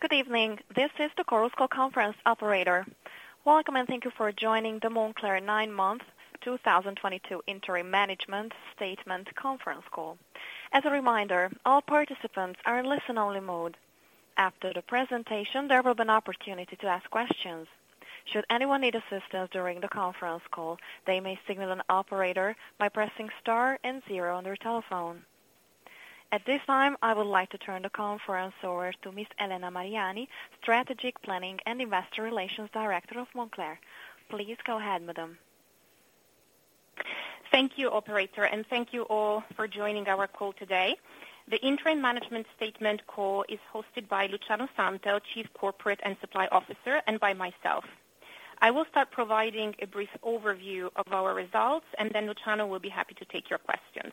Good evening. This is the Chorus Call conference operator. Welcome, and thank you for joining the Moncler nine-month 2022 interim management statement conference call. As a reminder, all participants are in listen-only mode. After the presentation, there will be an opportunity to ask questions. Should anyone need assistance during the conference call, they may signal an operator by pressing star and zero on their telephone. At this time, I would like to turn the conference over to Ms. Elena Mariani, Strategic Planning and Investor Relations Director of Moncler. Please go ahead, madam. Thank you, operator, and thank you all for joining our call today. The interim management statement call is hosted by Luciano Santel, Chief Corporate and Supply Officer, and by myself. I will start providing a brief overview of our results, and then Luciano will be happy to take your questions.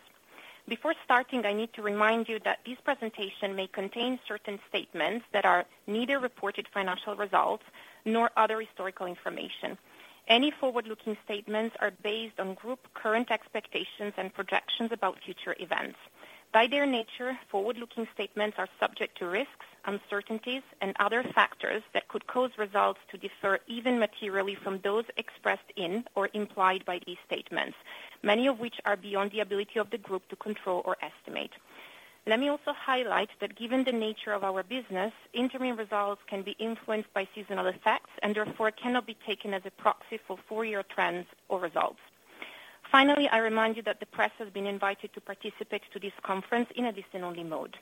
Before starting, I need to remind you that this presentation may contain certain statements that are neither reported financial results nor other historical information. Any forward-looking statements are based on the group's current expectations and projections about future events. By their nature, forward-looking statements are subject to risks, uncertainties, and other factors that could cause results to differ materially from those expressed in or implied by these statements, many of which are beyond the ability of the group to control or estimate. Let me also highlight that given the nature of our business, interim results can be influenced by seasonal effects and therefore cannot be taken as a proxy for full-year trends or results. Finally, I remind you that the press has been invited to participate to this conference in a listen-only mode.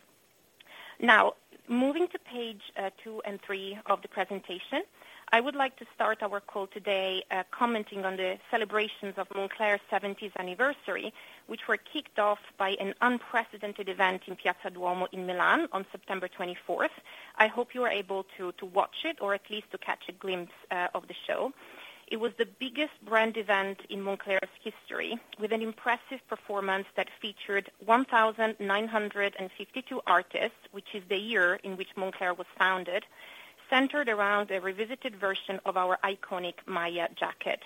Now, moving to page two and three of the presentation, I would like to start our call today commenting on the celebrations of Moncler's seventieth anniversary, which were kicked off by an unprecedented event in Piazza Duomo in Milan on September twenty-fourth. I hope you are able to watch it, or at least to catch a glimpse of the show. It was the biggest brand event in Moncler's history, with an impressive performance that featured 1,952 artists, which is the year in which Moncler was founded, centered around a revisited version of our iconic Maya jacket.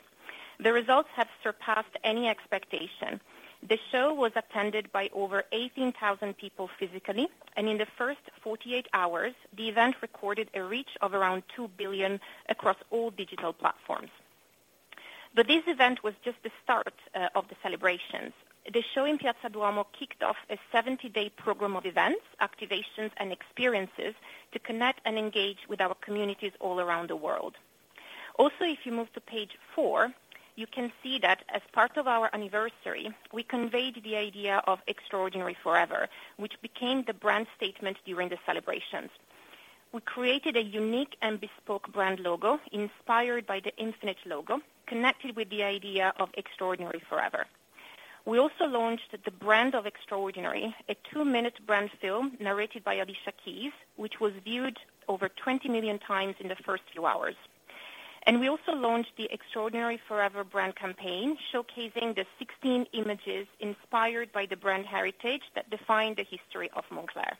The results have surpassed any expectation. The show was attended by over 18,000 people physically, and in the first 48 hours, the event recorded a reach of around 2 billion across all digital platforms. This event was just the start of the celebrations. The show in Piazza Duomo kicked off a 70-day program of events, activations, and experiences to connect and engage with our communities all around the world. Also, if you move to page four, you can see that as part of our anniversary, we conveyed the idea of Extraordinary Forever, which became the brand statement during the celebrations. We created a unique and bespoke brand logo inspired by the infinite logo, connected with the idea of Extraordinary Forever. We also launched the Brand of Extraordinary, a two-minute brand film narrated by Alicia Keys, which was viewed over 20 million times in the first few hours. We also launched the Extraordinary Forever brand campaign, showcasing the 16 images inspired by the brand heritage that defined the history of Moncler.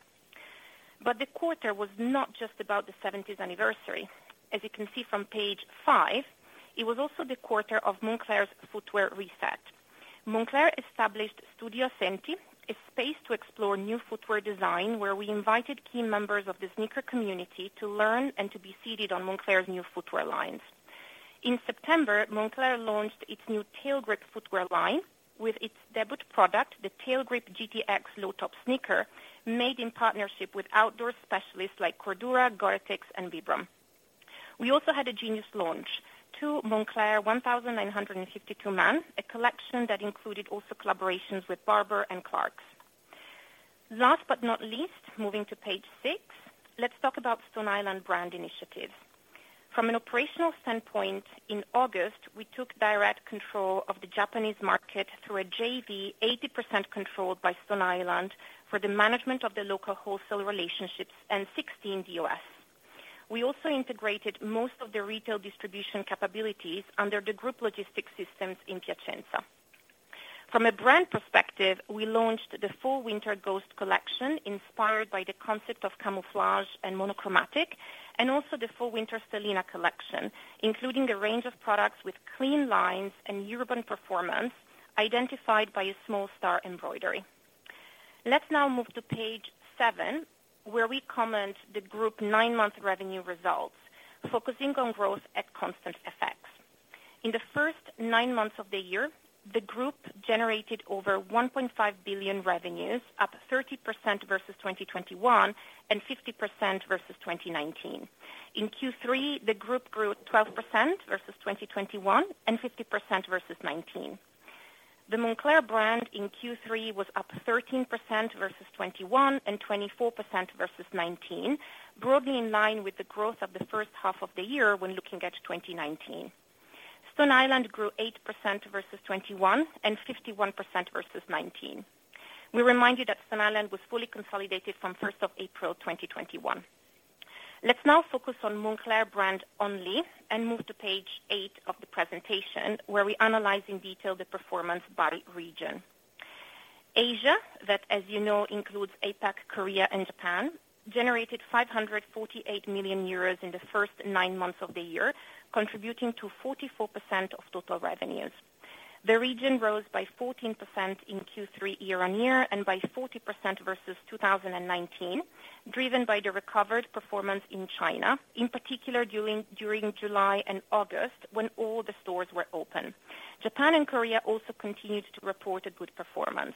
The quarter was not just about the seventieth anniversary. As you can see from page five, it was also the quarter of Moncler's footwear reset. Moncler established Studio Ascenti, a space to explore new footwear design, where we invited key members of the sneaker community to learn and to try on Moncler's new footwear lines. In September, Moncler launched its new Trailgrip footwear line with its debut product, the Trailgrip GTX low-top sneaker, made in partnership with outdoor specialists like Cordura, Gore-Tex, and Vibram. We also had a Genius launch, 2 Moncler 1952, a collection that included also collaborations with Barbour and Clarks. Last but not least, moving to page six, let's talk about Stone Island brand initiatives. From an operational standpoint, in August, we took direct control of the Japanese market through a JV 80% controlled by Stone Island for the management of the local wholesale relationships and 16 DOS. We also integrated most of the retail distribution capabilities under the group logistics systems in Piacenza. From a brand perspective, we launched the fall/winter Ghost collection, inspired by the concept of camouflage and monochromatic, and also the fall/winter Stellina collection, including a range of products with clean lines and urban performance identified by a small star embroidery. Let's now move to page seven, where we comment on the Group nine-month revenue results, focusing on growth at constant FX. In the first 9 months of the year, the Group generated over 1.5 billion revenues, up 30% versus 2021, and 50% versus 2019. In Q3, the Group grew 12% versus 2021 and 50% versus 2019. The Moncler brand in Q3 was up 13% versus 2021 and 24% versus 2019, broadly in line with the growth of the H1 of the year when looking at 2019. Stone Island grew 8% versus 2021 and 51% versus 2019. We remind you that Stone Island was fully consolidated from first of April 2021. Let's now focus on Moncler brand only and move to page eight of the presentation, where we analyze in detail the performance by region. Asia, that, as you know, includes APAC, Korea, and Japan, generated 548 million euros in the first nine months of the year, contributing to 44% of total revenues. The region rose by 14% in Q3 year-on-year, and by 40% versus 2019, driven by the recovered performance in China, in particular during July and August when all the stores were open. Japan and Korea also continued to report a good performance.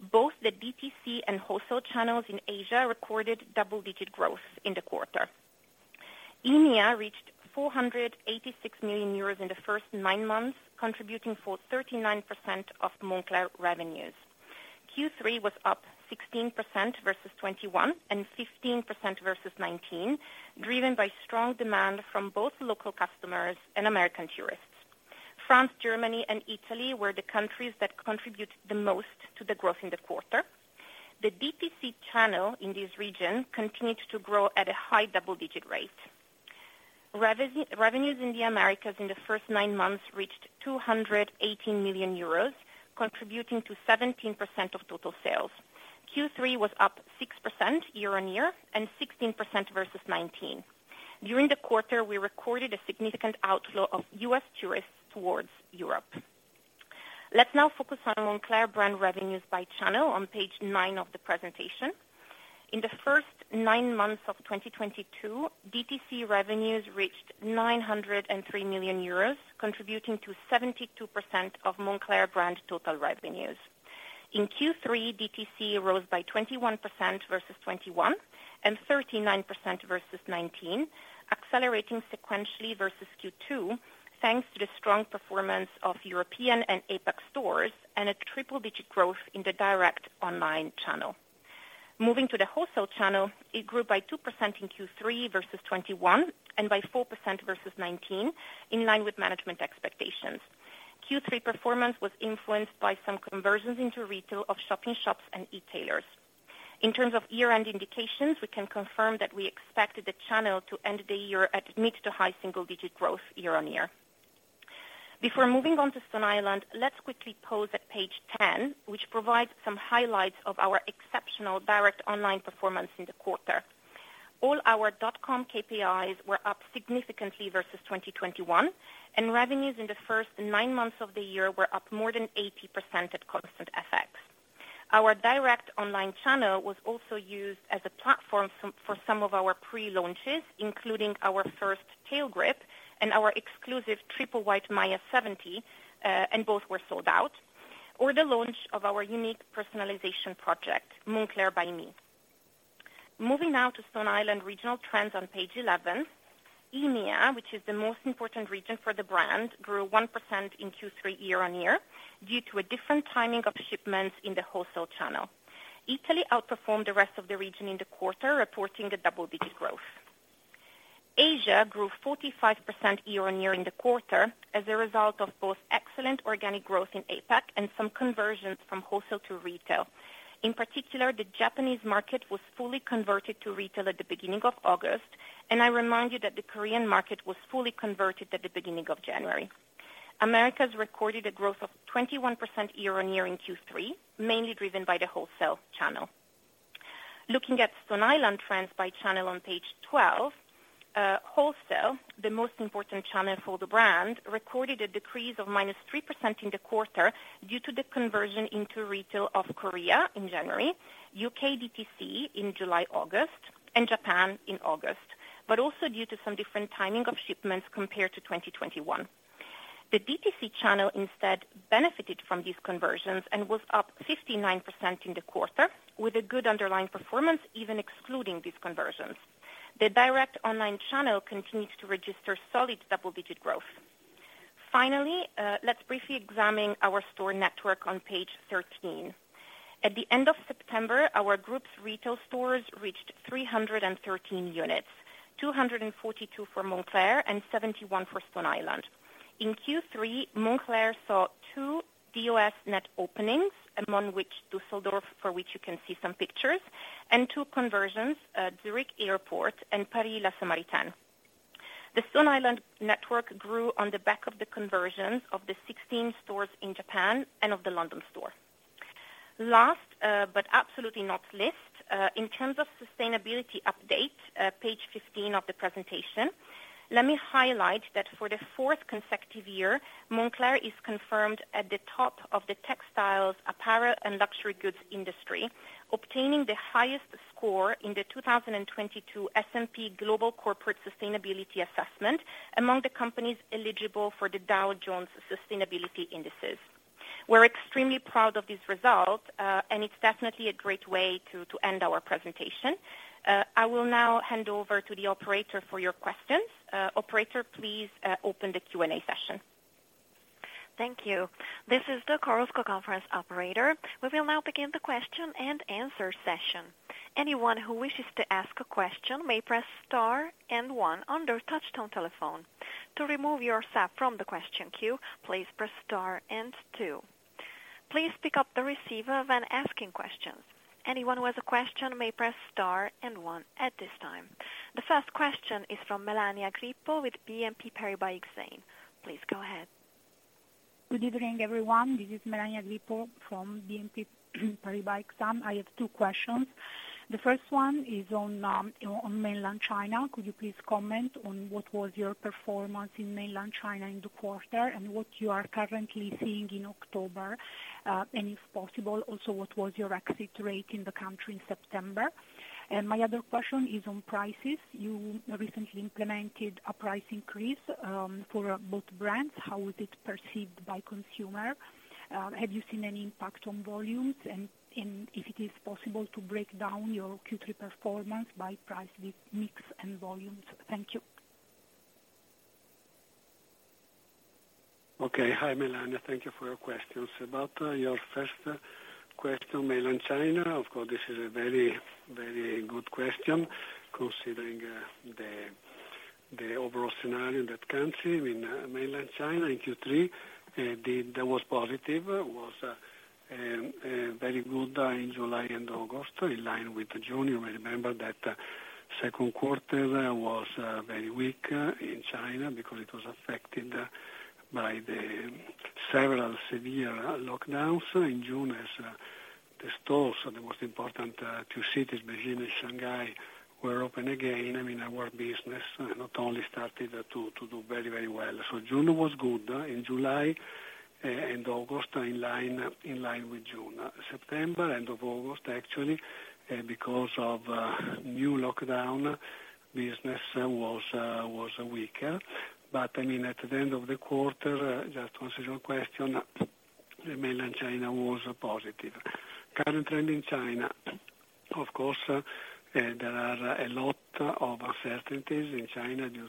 Both the DTC and wholesale channels in Asia recorded double-digit growth in the quarter. EMEA reached 486 million euros in the first nine months, contributing for 39% of Moncler revenues. Q3 was up 16% versus 2021 and 15% versus 2019, driven by strong demand from both local customers and American tourists. France, Germany and Italy were the countries that contributed the most to the growth in the quarter. The DTC channel in this region continued to grow at a high double-digit rate. Revenues in the Americas in the first nine months reached 218 million euros, contributing to 17% of total sales. Q3 was up 6% year-on-year and 16% versus 2019. During the quarter, we recorded a significant outflow of U.S. tourists towards Europe. Let's now focus on Moncler brand revenues by channel on page nine of the presentation. In the first nine months of 2022, DTC revenues reached 903 million euros, contributing to 72% of Moncler brand total revenues. In Q3, DTC rose by 21% versus 2021 and 39% versus 2019, accelerating sequentially versus Q2 thanks to the strong performance of European and APAC stores and a triple-digit growth in the direct online channel. Moving to the wholesale channel, it grew by 2% in Q3 versus 2021 and by 4% versus 2019, in line with management expectations. Q3 performance was influenced by some conversions into retail of shop-in-shops and e-tailers. In terms of year-end indications, we can confirm that we expected the channel to end the year at mid- to high single-digit growth year-on-year. Before moving on to Stone Island, let's quickly pause at page 10, which provides some highlights of our exceptional direct online performance in the quarter. All our dot com KPIs were up significantly versus 2021, and revenues in the first nine months of the year were up more than 80% at constant FX. Our direct online channel was also used as a platform for some of our pre-launches, including our first Trailgrip and our exclusive triple white Maya 70, and both were sold out, or the launch of our unique personalization project, Moncler by Me. Moving now to Stone Island regional trends on page 11. EMEA, which is the most important region for the brand, grew 1% in Q3 year-on-year due to a different timing of shipments in the wholesale channel. Italy outperformed the rest of the region in the quarter, reporting a double-digit growth. Asia grew 45% year-on-year in the quarter as a result of both excellent organic growth in APAC and some conversions from wholesale to retail. In particular, the Japanese market was fully converted to retail at the beginning of August, and I remind you that the Korean market was fully converted at the beginning of January. Americas recorded a growth of 21% year-on-year in Q3, mainly driven by the wholesale channel. Looking at Stone Island trends by channel on page 12, wholesale, the most important channel for the brand, recorded a decrease of -3% in the quarter due to the conversion into retail of Korea in January, UK DTC in July, August, and Japan in August, but also due to some different timing of shipments compared to 2021. The DTC channel instead benefited from these conversions and was up 59% in the quarter with a good underlying performance even excluding these conversions. The direct online channel continued to register solid double-digit growth. Finally, let's briefly examine our store network on page 13. At the end of September, our group's retail stores reached 313 units, 242 for Moncler and 71 for Stone Island. In Q3, Moncler saw two DOS net openings, among which Düsseldorf, for which you can see some pictures, and two conversions at Zürich Airport and Paris La Samaritaine. The Stone Island network grew on the back of the conversions of the 16 stores in Japan and of the London store. Last, but absolutely not least, in terms of sustainability update, page 15 of the presentation, let me highlight that for the fourth consecutive year, Moncler is confirmed at the top of the textiles, apparel and luxury goods industry, obtaining the highest score in the 2022 S&P Global Corporate Sustainability Assessment among the companies eligible for the Dow Jones Sustainability Indices. We're extremely proud of this result, and it's definitely a great way to end our presentation. I will now hand over to the operator for your questions. Operator, please, open the Q&A session. Thank you. This is the Chorus Call operator. We will now begin the question-and-answer session. Anyone who wishes to ask a question may press star and one on their touchtone telephone. To remove yourself from the question queue, please press star and two. Please pick up the receiver when asking questions. Anyone who has a question may press star and one at this time. The first question is from Melania Grippo with BNP Paribas Exane. Please go ahead. Good evening, everyone. This is Melania Grippo from BNP Paribas Exane. I have two questions. The first one is on Mainland China. Could you please comment on what was your performance in Mainland China in the quarter and what you are currently seeing in October? If possible, also, what was your exit rate in the country in September? My other question is on prices. You recently implemented a price increase for both brands. How is it perceived by consumer? Have you seen any impact on volumes? If it is possible to break down your Q3 performance by price, the mix and volumes. Thank you. Okay. Hi, Melania. Thank you for your questions. About, your first question, Mainland China. Of course, this is a very, very good question considering, the overall scenario in that country. In Mainland China in Q3, that was positive, very good, in July and August, in line with June. You may remember that, Q2, was, very weak, in China because it was affected by the several severe lockdowns in June as, the stores in the most important, two cities, Beijing and Shanghai, were open again. I mean, our business not only started to do very, very well. June was good. In July, and August, in line with June. September, end of August, actually, because of, new lockdown, business, was weaker. I mean, at the end of the quarter, just to answer your question, the Mainland China was positive. Current trend in China, of course, there are a lot of uncertainties in China due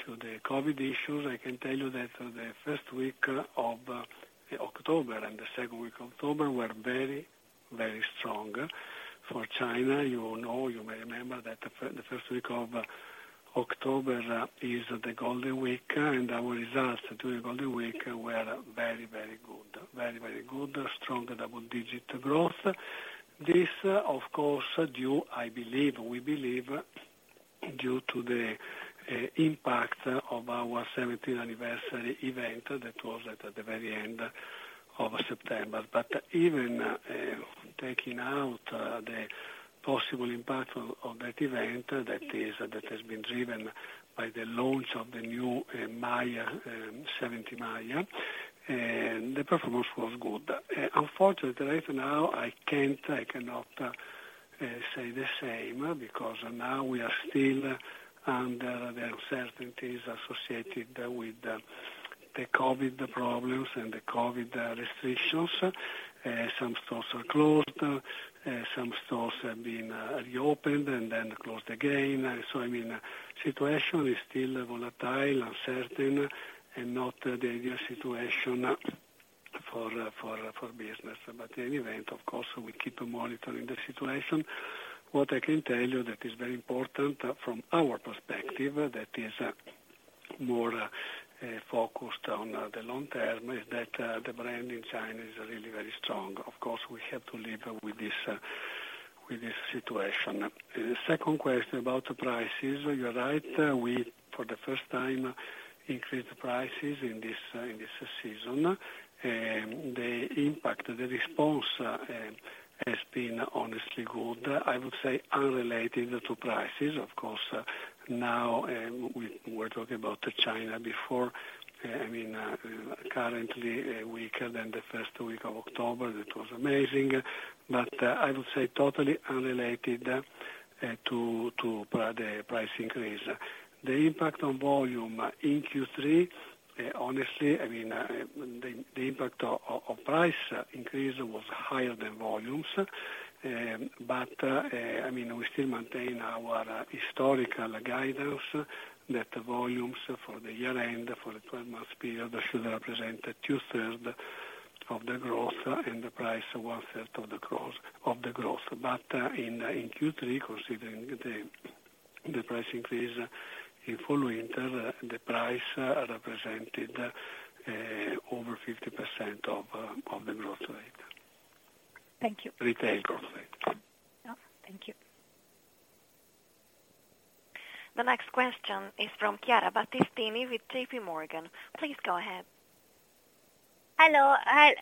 to the COVID issues. I can tell you that, the first week of October and the second week of October were very, very strong for China. You know, you may remember that the first week of October is the Golden Week, and our results during Golden Week were very, very good. Very, very good. Strong double-digit growth. This of course due, I believe, we believe, due to the impact of our seventieth anniversary event that was at the very end of September. Even taking out the possible impact of that event that has been driven by the launch of the new Moncler Maya 70, the performance was good. Unfortunately right now I cannot say the same, because now we are still under the uncertainties associated with the COVID problems and the COVID restrictions. Some stores are closed. Some stores have been reopened and then closed again. I mean, situation is still volatile, uncertain, and not the ideal situation for business. In any event, of course, we keep monitoring the situation. What I can tell you that is very important from our perspective, that is more focused on the long term, is that the brand in China is really very strong. Of course, we have to live with this, with this situation. The second question about the prices. You're right. We for the first time increased prices in this season. The impact, the response, has been honestly good. I would say unrelated to prices, of course. Now, we're talking about China before. I mean, currently weaker than the first week of October. That was amazing, but I would say totally unrelated to the price increase. The impact on volume in Q3, honestly, I mean, the impact of price increase was higher than volumes. I mean, we still maintain our historical guidance that the volumes for the year end, for the twelve-month period should represent 2/3 of the growth and the price 1/3 of the growth. In Q3, considering the price increase in fall/winter, the price represented over 50% of the growth rate. Thank you. Retail growth rate. Oh, thank you. The next question is from Chiara Battistini with JP Morgan. Please go ahead. Hello. Hi.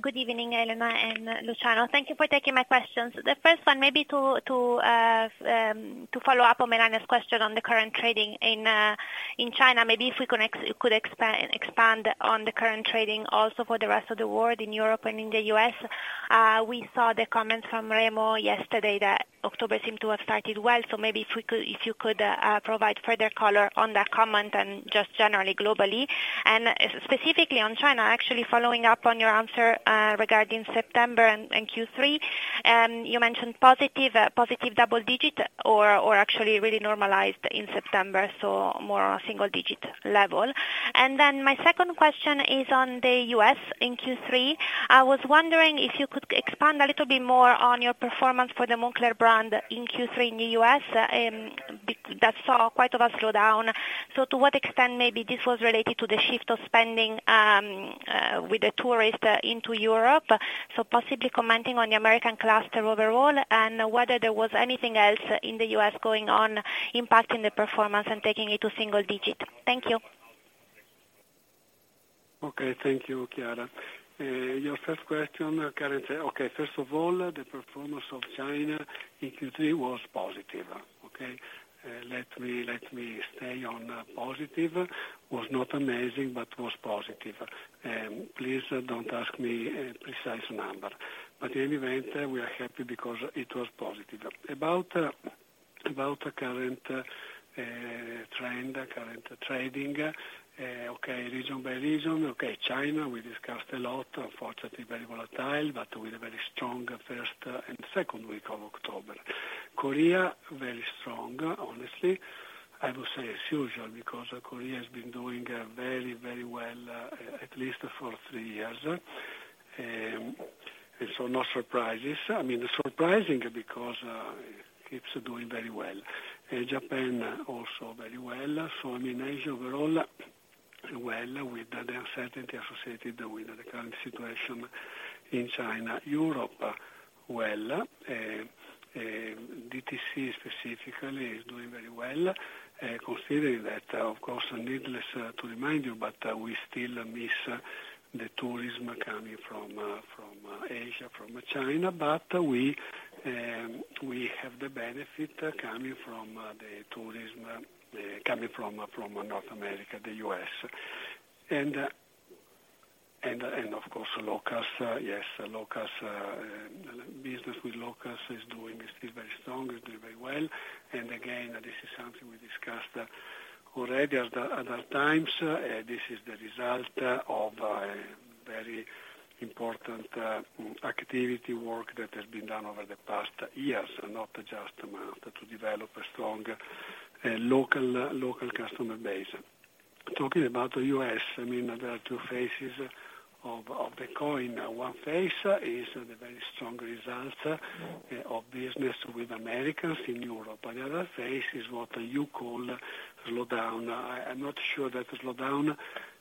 Good evening, Elena and Luciano. Thank you for taking my questions. The first one, maybe to follow up on Melania's question on the current trading in China, maybe if we could expand on the current trading also for the rest of the world, in Europe and in the U.S. We saw the comments from Remo yesterday that October seemed to have started well, so maybe if you could provide further color on that comment and just generally globally. Specifically on China, actually following up on your answer regarding September and Q3, you mentioned positive double digit or actually really normalized in September, so more on a single digit level. Then my second question is on the U.S. in Q3. I was wondering if you could expand a little bit more on your performance for the Moncler brand in Q3 in the U.S., that saw quite a slowdown. To what extent maybe this was related to the shift of spending with the tourists into Europe? Possibly commenting on the American cluster overall and whether there was anything else in the U.S. going on impacting the performance and taking it to single-digit. Thank you. Okay, thank you, Chiara. Your first question, okay, first of all, the performance of China in Q3 was positive. Okay? Let me stay on positive. Was not amazing, but was positive. Please don't ask me a precise number. In any event, we are happy because it was positive. About the current trend, current trading, okay, region by region. Okay, China, we discussed a lot. Unfortunately, very volatile, but with a very strong first and second week of October. Korea, very strong. Honestly, I would say as usual, because Korea has been doing very, very well, at least for three years. No surprises. I mean, surprising because it's doing very well. Japan also very well. I mean, Asia overall, well, with the uncertainty associated with the current situation in China. Europe, well, DTC specifically is doing very well, considering that, of course, needless to remind you, but we still miss the tourism coming from Asia, from China. We have the benefit coming from the tourism coming from North America, the U.S. Of course, locals. Yes, locals, business with locals is doing, is still very strong, is doing very well. Again, this is something we discussed already at times. This is the result of a very important activity work that has been done over the past years, not just months, to develop a strong local customer base. Talking about the U.S., I mean, there are two faces of the coin. One face is the very strong results of business with Americans in Europe. The other face is what you call slowdown. I'm not sure that slowdown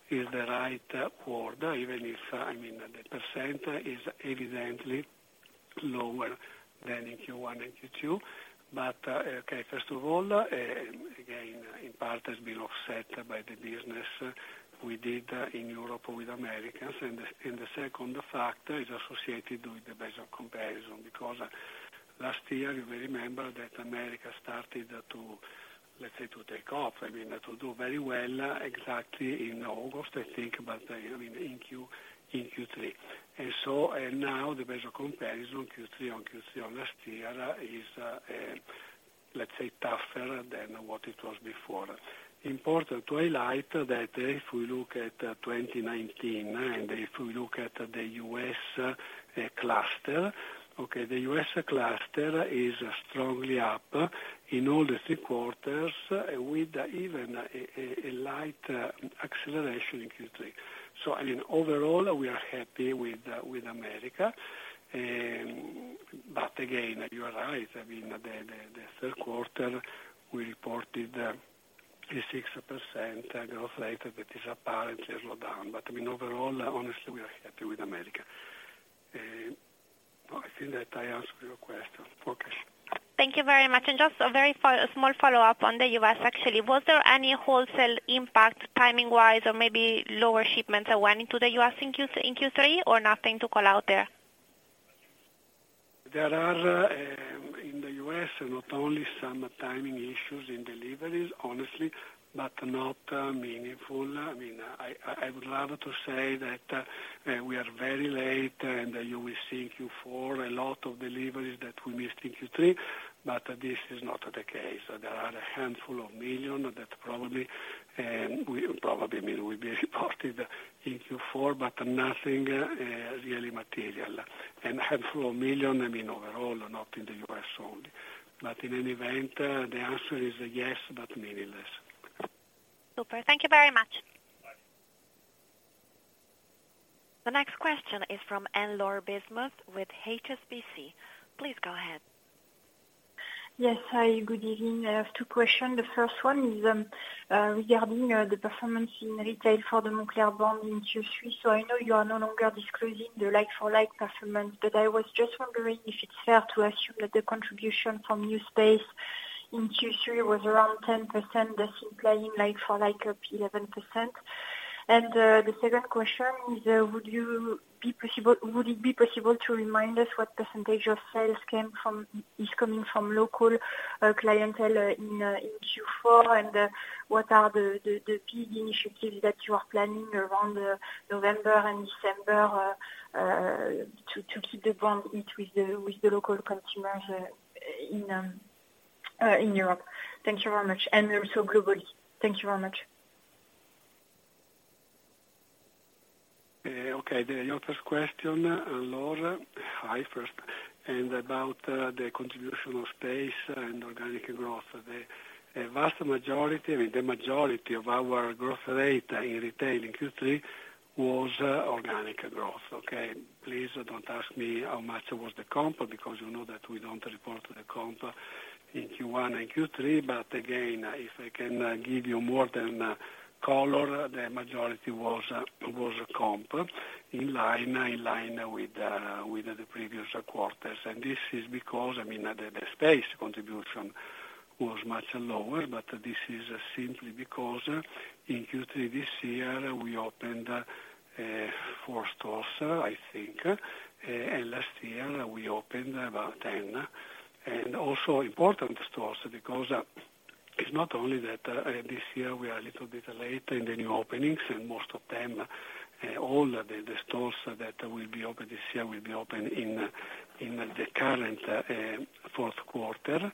is the right word, even if, I mean, the percentage is evidently lower than in Q1 and Q2. But okay, first of all, again, in part it's been offset by the business we did in Europe with Americans. The second factor is associated with the base of comparison. Because last year, you may remember that America started, let's say, to take off. I mean, to do very well, exactly in August, I think, but, I mean, in Q3. Now the base of comparison, Q3 on Q3 of last year is, let's say, tougher than what it was before. Important to highlight that if we look at 2019, and if we look at the U.S. cluster, okay, the U.S. cluster is strongly up in all three quarters with even a light acceleration in Q3. I mean, overall, we are happy with America. Again, you are right. I mean, the Q3, we reported a 6% growth rate. That is apparently a slowdown. I mean, overall, honestly, we are happy with America. I think that I answered your question. Okay. Thank you very much. Just a very small follow-up on the U.S., actually. Was there any wholesale impact timing-wise or maybe lower shipments that went into the U.S. in Q3, or nothing to call out there? There are, in the U.S., not only some timing issues in deliveries, honestly, but not meaningful. I mean, I would love to say that we are very late and you will see in Q4 a lot of deliveries that we missed in Q3, but this is not the case. There are a handful of million that probably, I mean, will be reported in Q4, but nothing really material. Handful of million, I mean overall, not in the U.S. only. In any event, the answer is yes, but meaningless. Super. Thank you very much. Bye. The next question is from Anne-Laure Bismuth with HSBC. Please go ahead. Yes. Hi, good evening. I have two questions. The first one is regarding the performance in retail for the Moncler brand in Q3. I know you are no longer disclosing the like-for-like performance, but I was just wondering if it's fair to assume that the contribution from new space in Q3 was around 10%, thus implying like-for-like up 11%. The second question is, would it be possible to remind us what percentage of sales is coming from local clientele in Q4? What are the key initiatives that you are planning around November and December to keep the brand heat with the local consumers in Europe? Thank you very much. Also globally. Thank you very much. Okay. Your first question, Anne-Laure. Hi, first. About the contribution of space and organic growth. The vast majority, I mean, the majority of our growth rate in retail in Q3 was organic growth. Okay? Please don't ask me how much was the comp, because you know that we don't report the comp in Q1 and Q3. But again, if I can give you more color, the majority was comp, in line with the previous quarters. This is because, I mean, the space contribution was much lower, but this is simply because in Q3 this year we opened 4 stores, I think. Last year we opened about 10. Also important stores, because it's not only that, this year we are a little bit late in the new openings, and most of them, all the stores that will be open this year will be open in the current Q4.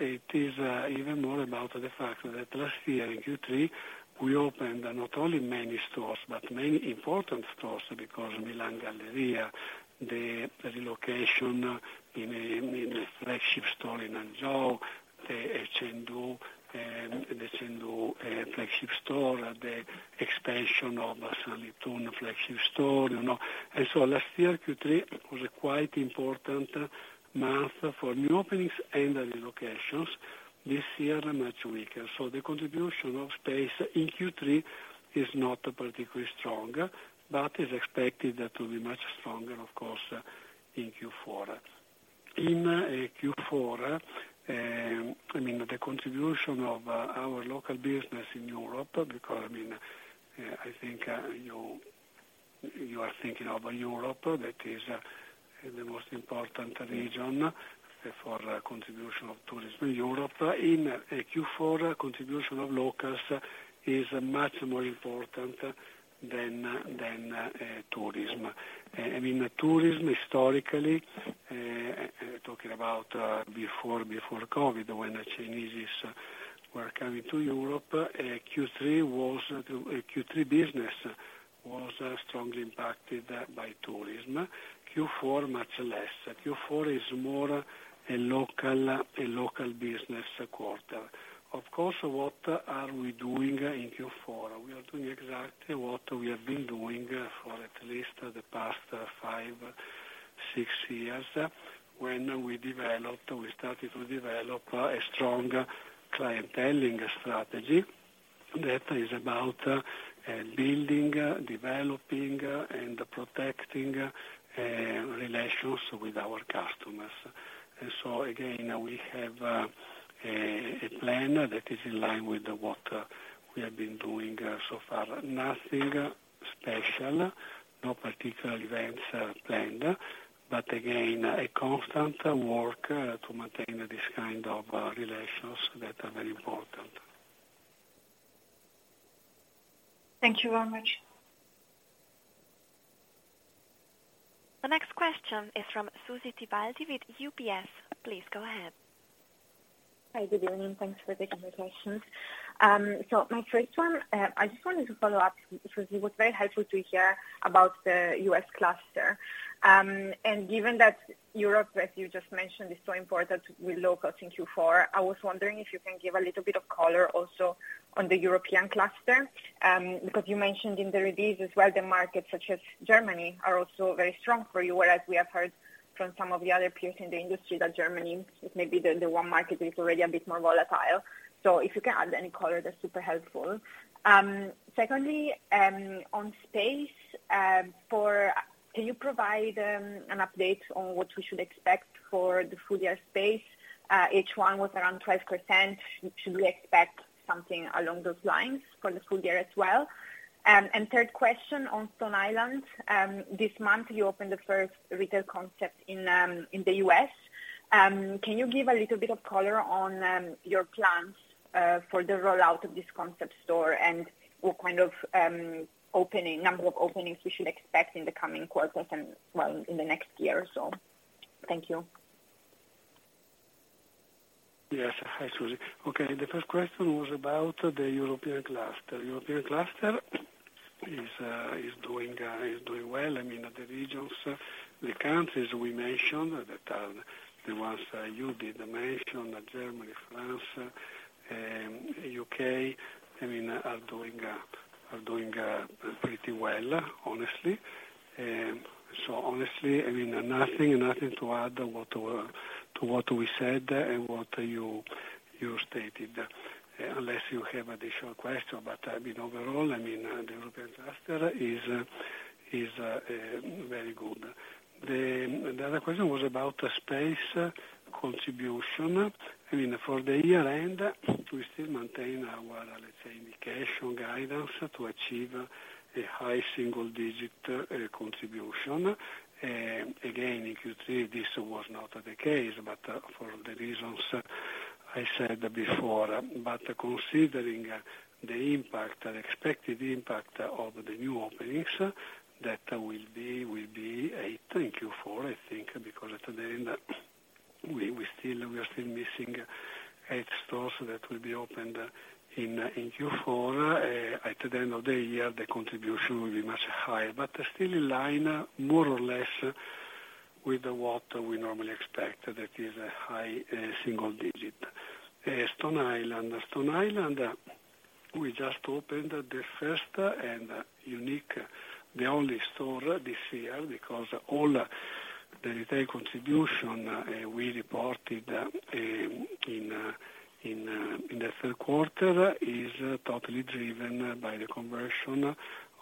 It is even more about the fact that last year in Q3, we opened not only many stores, but many important stores, because Milan Galleria, the relocation in the flagship store in Hangzhou, the Chengdu flagship store, the expansion of Sanlitun flagship store, you know. Last year, Q3 was a quite important month for new openings and the relocations. This year, much weaker. The contribution of space in Q3 is not particularly strong, but is expected to be much stronger, of course, in Q4. In Q4, I mean, the contribution of our local business in Europe, because, I mean, I think you are thinking of Europe that is the most important region for contribution of tourism in Europe. In Q4, contribution of locals is much more important than tourism. I mean, tourism historically, talking about before COVID, when the Chinese were coming to Europe, Q3 business was strongly impacted by tourism. Q4, much less. Q4 is more a local business quarter. Of course, what are we doing in Q4? We are doing exactly what we have been doing for at least the past five, six years. We started to develop a strong clienteling strategy that is about building, developing and protecting relations with our customers. Again, we have a plan that is in line with what we have been doing so far. Nothing special, no particular events are planned, but again, a constant work to maintain this kind of relations that are very important. Thank you very much. The next question is from Zuzanna Pusz with UBS. Please go ahead. Hi, good evening. Thanks for the invitation. My first one, I just wanted to follow up, because it was very helpful to hear about the U.S. cluster. Given that Europe, as you just mentioned, is so important with locals in Q4, I was wondering if you can give a little bit of color also on the European cluster. Because you mentioned in the release as well, the markets such as Germany are also very strong for you. Whereas we have heard from some of the other peers in the industry that Germany is maybe the one market that is already a bit more volatile. If you can add any color, that's super helpful. Secondly, on sales, can you provide an update on what we should expect for the full year sales? H1 was around 12%. Should we expect something along those lines for the full year as well? Third question on Stone Island. This month, you opened the first retail concept in the U.S. Can you give a little bit of color on your plans for the rollout of this concept store and what kind of opening number of openings we should expect in the coming quarters and in the next year or so? Thank you. Yes. Hi, Suzy. Okay, the first question was about the European cluster. The European cluster is doing well. I mean, the regions, the countries we mentioned that are the ones you did mention, Germany, France, U.K., I mean, are doing pretty well, honestly. Honestly, I mean, nothing to add to what we said and what you stated. Unless you have additional question, but I mean, overall, I mean, the European cluster is very good. The other question was about space contribution. I mean, for the year-end, we still maintain our, let's say indication guidance to achieve a high single digit contribution. Again, in Q3, this was not the case, but for the reasons I said before. Considering the impact, the expected impact of the new openings, that will be eight in Q4, I think, because at the end we are still missing eight stores that will be opened in Q4. At the end of the year, the contribution will be much higher, but still in line, more or less with what we normally expect. That is a high single digit. Stone Island, we just opened the only store this year, because all the retail contribution we reported in the Q3 is totally driven by the conversion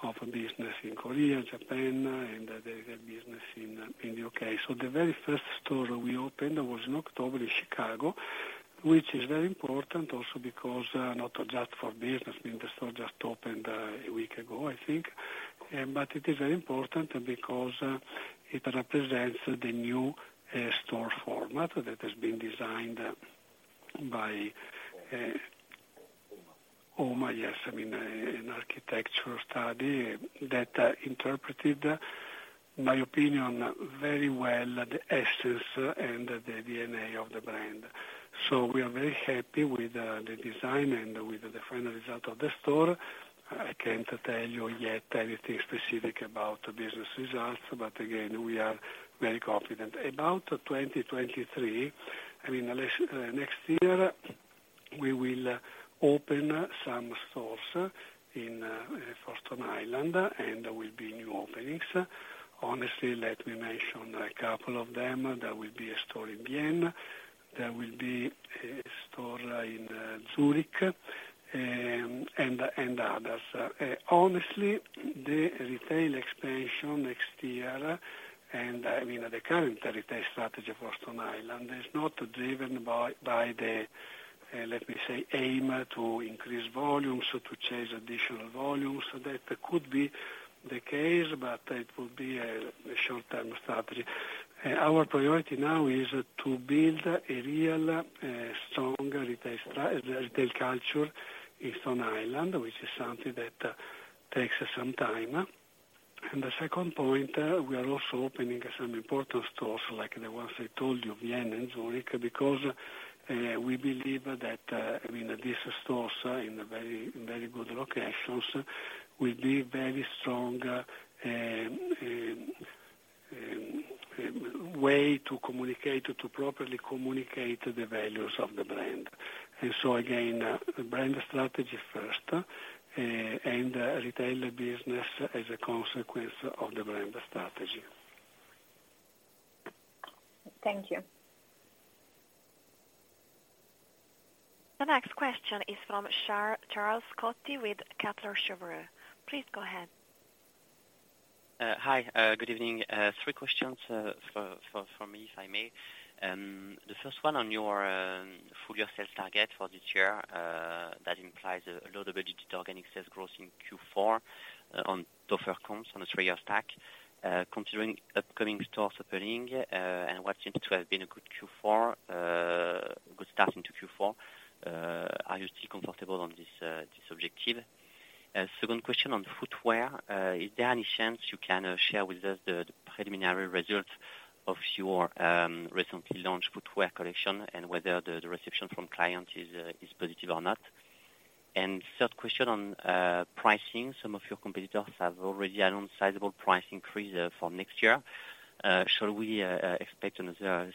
of a business in Korea, Japan and the business in the U.K. The very first store we opened was in October in Chicago, which is very important also because not just for business, I mean, the store just opened a week ago, I think. It is very important because it represents the new store format that has been designed by, OMA. OMA, yes. I mean, an architectural study that interpreted, in my opinion, very well the essence and the DNA of the brand. We are very happy with the design and with the final result of the store. I can't tell you yet anything specific about business results, but again, we are very confident. About 2023, I mean next year we will open some stores for Stone Island, and there will be new openings. Honestly, let me mention a couple of them. There will be a store in Vienna, there will be a store in Zurich, and others. Honestly, the retail expansion next year and, I mean, the current retail strategy for Stone Island is not driven by the let me say, aim to increase volumes or to chase additional volumes. That could be the case, but it would be a short-term strategy. Our priority now is to build a real strong retail culture in Stone Island, which is something that takes some time. The second point, we are also opening some important stores like the ones I told you, Vienna and Zurich, because we believe that, I mean, these stores are in very, very good locations, will be very strong way to communicate, to properly communicate the values of the brand. Again, brand strategy first, and retail business as a consequence of the brand strategy. Thank you. The next question is from Charles-Louis Scotti with Kepler Cheuvreux. Please go ahead. Hi, good evening. Three questions from me, if I may. The first one on your full year sales target for this year, that implies low double-digit organic sales growth in Q4, on tougher comps on a three-year stack. Considering upcoming stores opening, and what seems to have been a good Q4, good start into Q4, are you still comfortable on this objective? Second question on footwear. Is there any chance you can share with us the preliminary results of your recently launched footwear collection and whether the reception from clients is positive or not? Third question on pricing. Some of your competitors have already announced sizable price increase for next year. Shall we expect another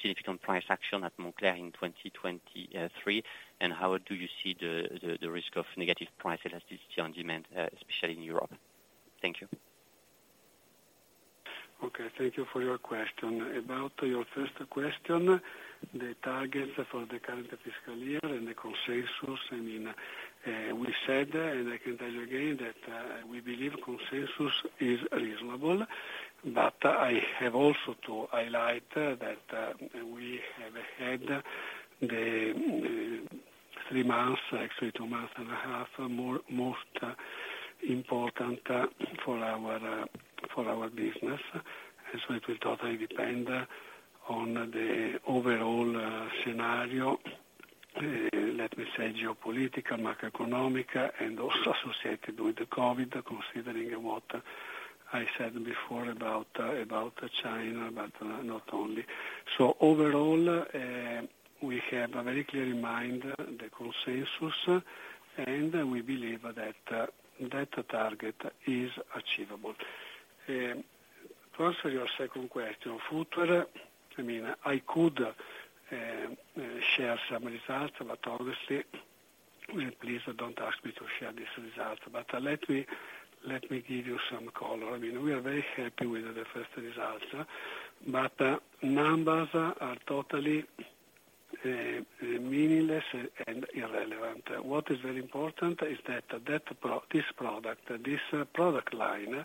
significant price action at Moncler in 2023? How do you see the risk of negative price elasticity on demand, especially in Europe? Thank you. Okay, thank you for your question. About your first question, the targets for the current fiscal year and the consensus, I mean, we said, and I can tell you again that we believe consensus is reasonable, but I have also to highlight that we have had the three months, actually two months and a half, most important for our business. It will totally depend on the overall scenario, let me say geopolitical, macroeconomic and also associated with the COVID, considering what I said before about China, but not only. Overall, we have it very clear in mind the consensus, and we believe that target is achievable. To answer your second question on footwear, I mean, I could share some results, but honestly, please don't ask me to share this result. Let me give you some color. I mean, we are very happy with the first results, but numbers are totally meaningless and irrelevant. What is very important is that this product line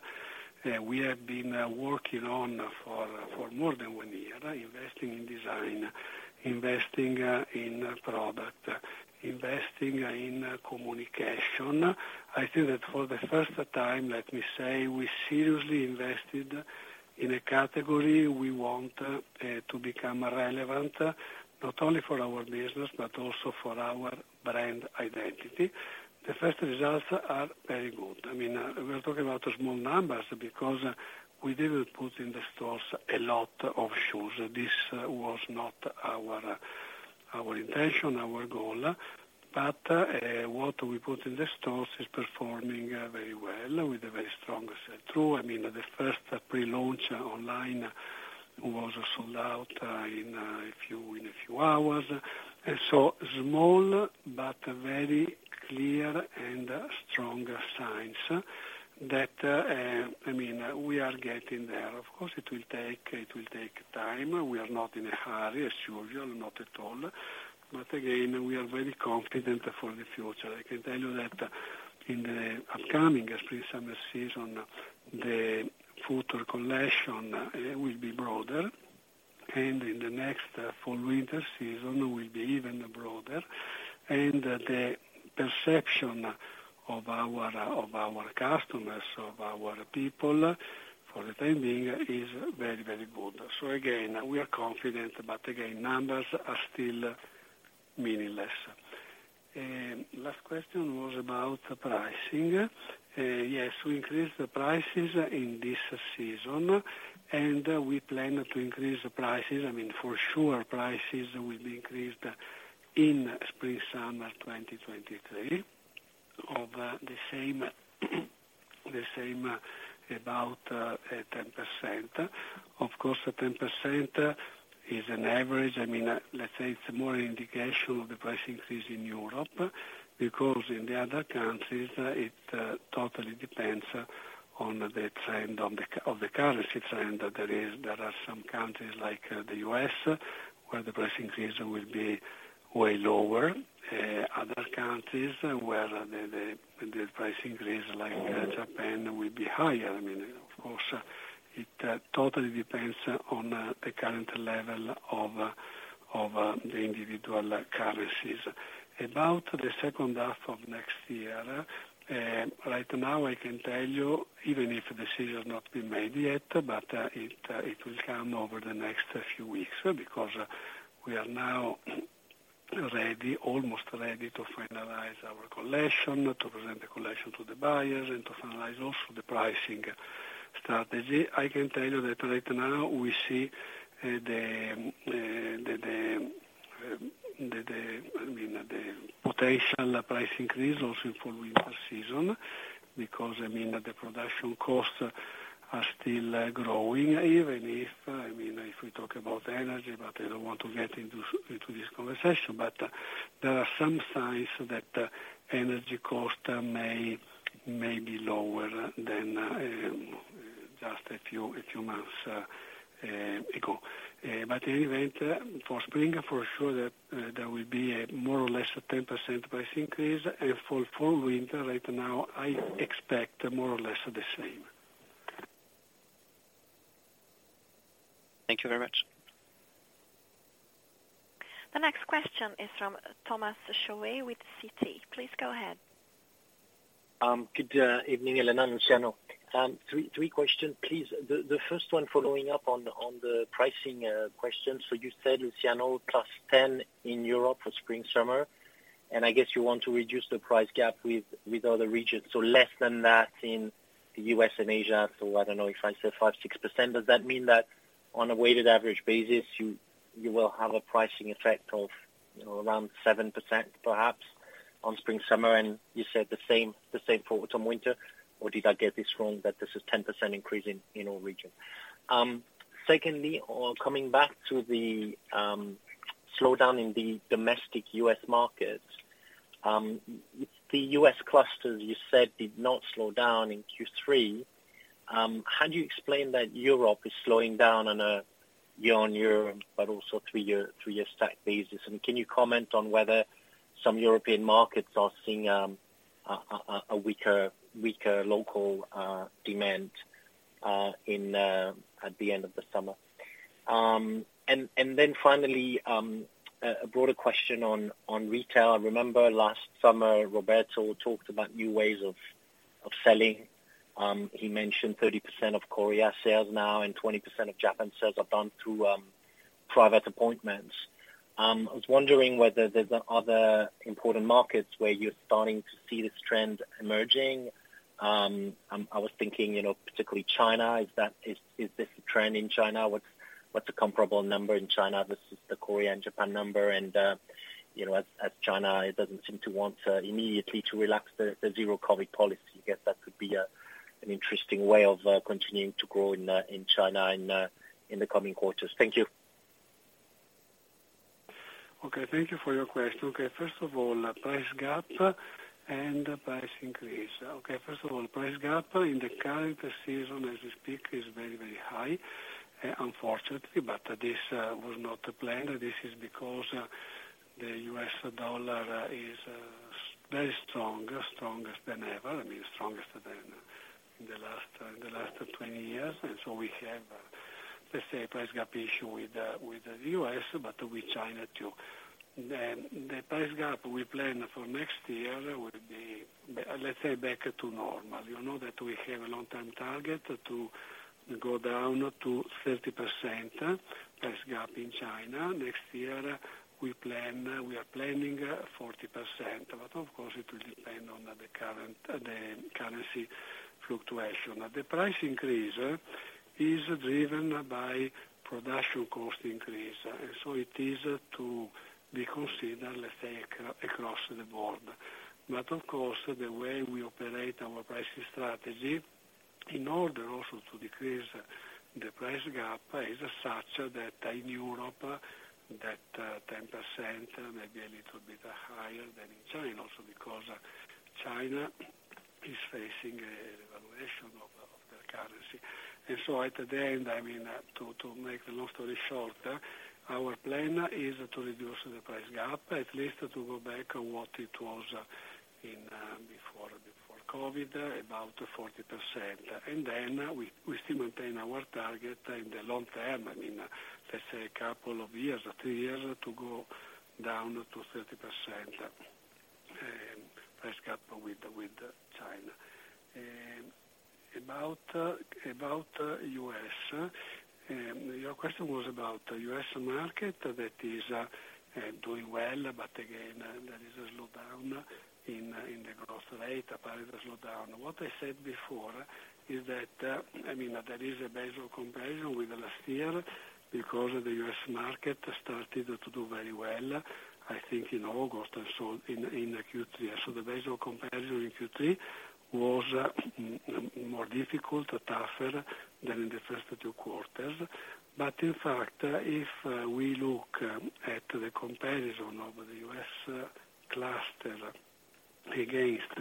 we have been working on for more than one year, investing in design, investing in product, investing in communication. I think that for the first time, let me say, we seriously invested in a category we want to become relevant, not only for our business, but also for our brand identity. The first results are very good. I mean, we're talking about small numbers because we didn't put in the stores a lot of shoes. This was not our intention, our goal. What we put in the stores is performing very well with a very strong sell-through. I mean, the first pre-launch online was sold out in a few hours. Small but very clear and strong signs that, I mean, we are getting there. Of course, it will take time. We are not in a hurry, I assure you, not at all. We are very confident for the future. I can tell you that in the upcoming spring/summer season, the future collection will be broader, and in the next fall/winter season will be even broader. The perception of our customers, of our people for the time being is very, very good. Again, we are confident, but again, numbers are still meaningless. Last question was about pricing. Yes, we increased the prices in this season, and we plan to increase the prices. I mean, for sure, prices will be increased in spring/summer 2023 of the same, about 10%. Of course, the 10% is an average. I mean, let's say it's more an indication of the price increase in Europe, because in the other countries, it totally depends on the trend of the currency trend. There are some countries like the U.S. where the price increase will be way lower. Other countries where the price increase like Japan will be higher. I mean, of course, it totally depends on the current level of the individual currencies. About the H2 of next year, right now, I can tell you, even if the decision has not been made yet, but it will come over the next few weeks, because we are now ready, almost ready to finalize our collection, to present the collection to the buyers and to finalize also the pricing strategy. I can tell you that right now we see I mean, the potential price increase also for winter season, because I mean, the production costs are still growing, even if I mean, if we talk about energy, but I don't want to get into this conversation. There are some signs that energy costs may be lower than just a few months ago. Anyway, for spring, for sure, there will be a more or less 10% price increase. For fall/winter, right now, I expect more or less the same. Thank you very much. The next question is from Thomas Chauvet with Citi. Please go ahead. Good evening, Elena and Luciano. Three questions, please. The first one following up on the pricing question. So you said, Luciano, +10% in Europe for spring/summer, and I guess you want to reduce the price gap with other regions, so less than that in the U.S. and Asia. So I don't know if I say 5%, 6%. Does that mean that on a weighted average basis, you will have a pricing effect of, you know, around 7% perhaps on spring/summer, and you said the same for autumn/winter? Or did I get this wrong, that this is 10% increase in all regions? Secondly, on coming back to the slowdown in the domestic US markets. The U.S. clusters you said did not slow down in Q3. How do you explain that Europe is slowing down on a year-on-year, but also three-year stack basis? Can you comment on whether some European markets are seeing a weaker local demand at the end of the summer? Then finally, a broader question on retail. I remember last summer, Roberto talked about new ways of selling. He mentioned 30% of Korea sales now and 20% of Japan sales are done through private appointments. I was wondering whether there are other important markets where you are starting to see this trend emerging. I was thinking, you know, particularly China. Is this a trend in China? What is a comparable number in China versus the Korea and Japan number? You know, as China, it doesn't seem to want immediately to relax the zero-COVID policy. I guess that could be an interesting way of continuing to grow in China in the coming quarters. Thank you. Okay, thank you for your question. First of all, price gap and price increase. First of all, price gap in the current season as we speak is very, very high, unfortunately, but this was not planned. This is because the U.S. dollar is very strong. Strongest than ever. I mean, strongest than in the last 20 years. We have, let's say, price gap issue with the U.S., but with China too. The price gap we plan for next year will be, let's say, back to normal. You know that we have a long-term target to go down to 30% price gap in China. Next year, we are planning 40%, but of course, it will depend on the currency fluctuation. The price increase is driven by production cost increase, so it is to be considered, let's say, across the board. Of course, the way we operate our pricing strategy in order also to decrease the price gap is such that in Europe that 10% maybe a little bit higher than in China, also because China is facing a revaluation of their currency. At the end, I mean, to make the long story short, our plan is to reduce the price gap, at least to go back to what it was before COVID, about 40%. Then we still maintain our target in the long term. I mean, let's say a couple of years or three years to go down to 30% price gap with China. About U.S., your question was about US market that is doing well, but again, there is a slowdown in the growth rate, a part of the slowdown. What I said before is that, I mean, there is a base comparison with last year because the US market started to do very well, I think in August or so in Q3. The base comparison in Q3 was more difficult, tougher than in the first two quarters. In fact, if we look at the comparison of the U.S. cluster against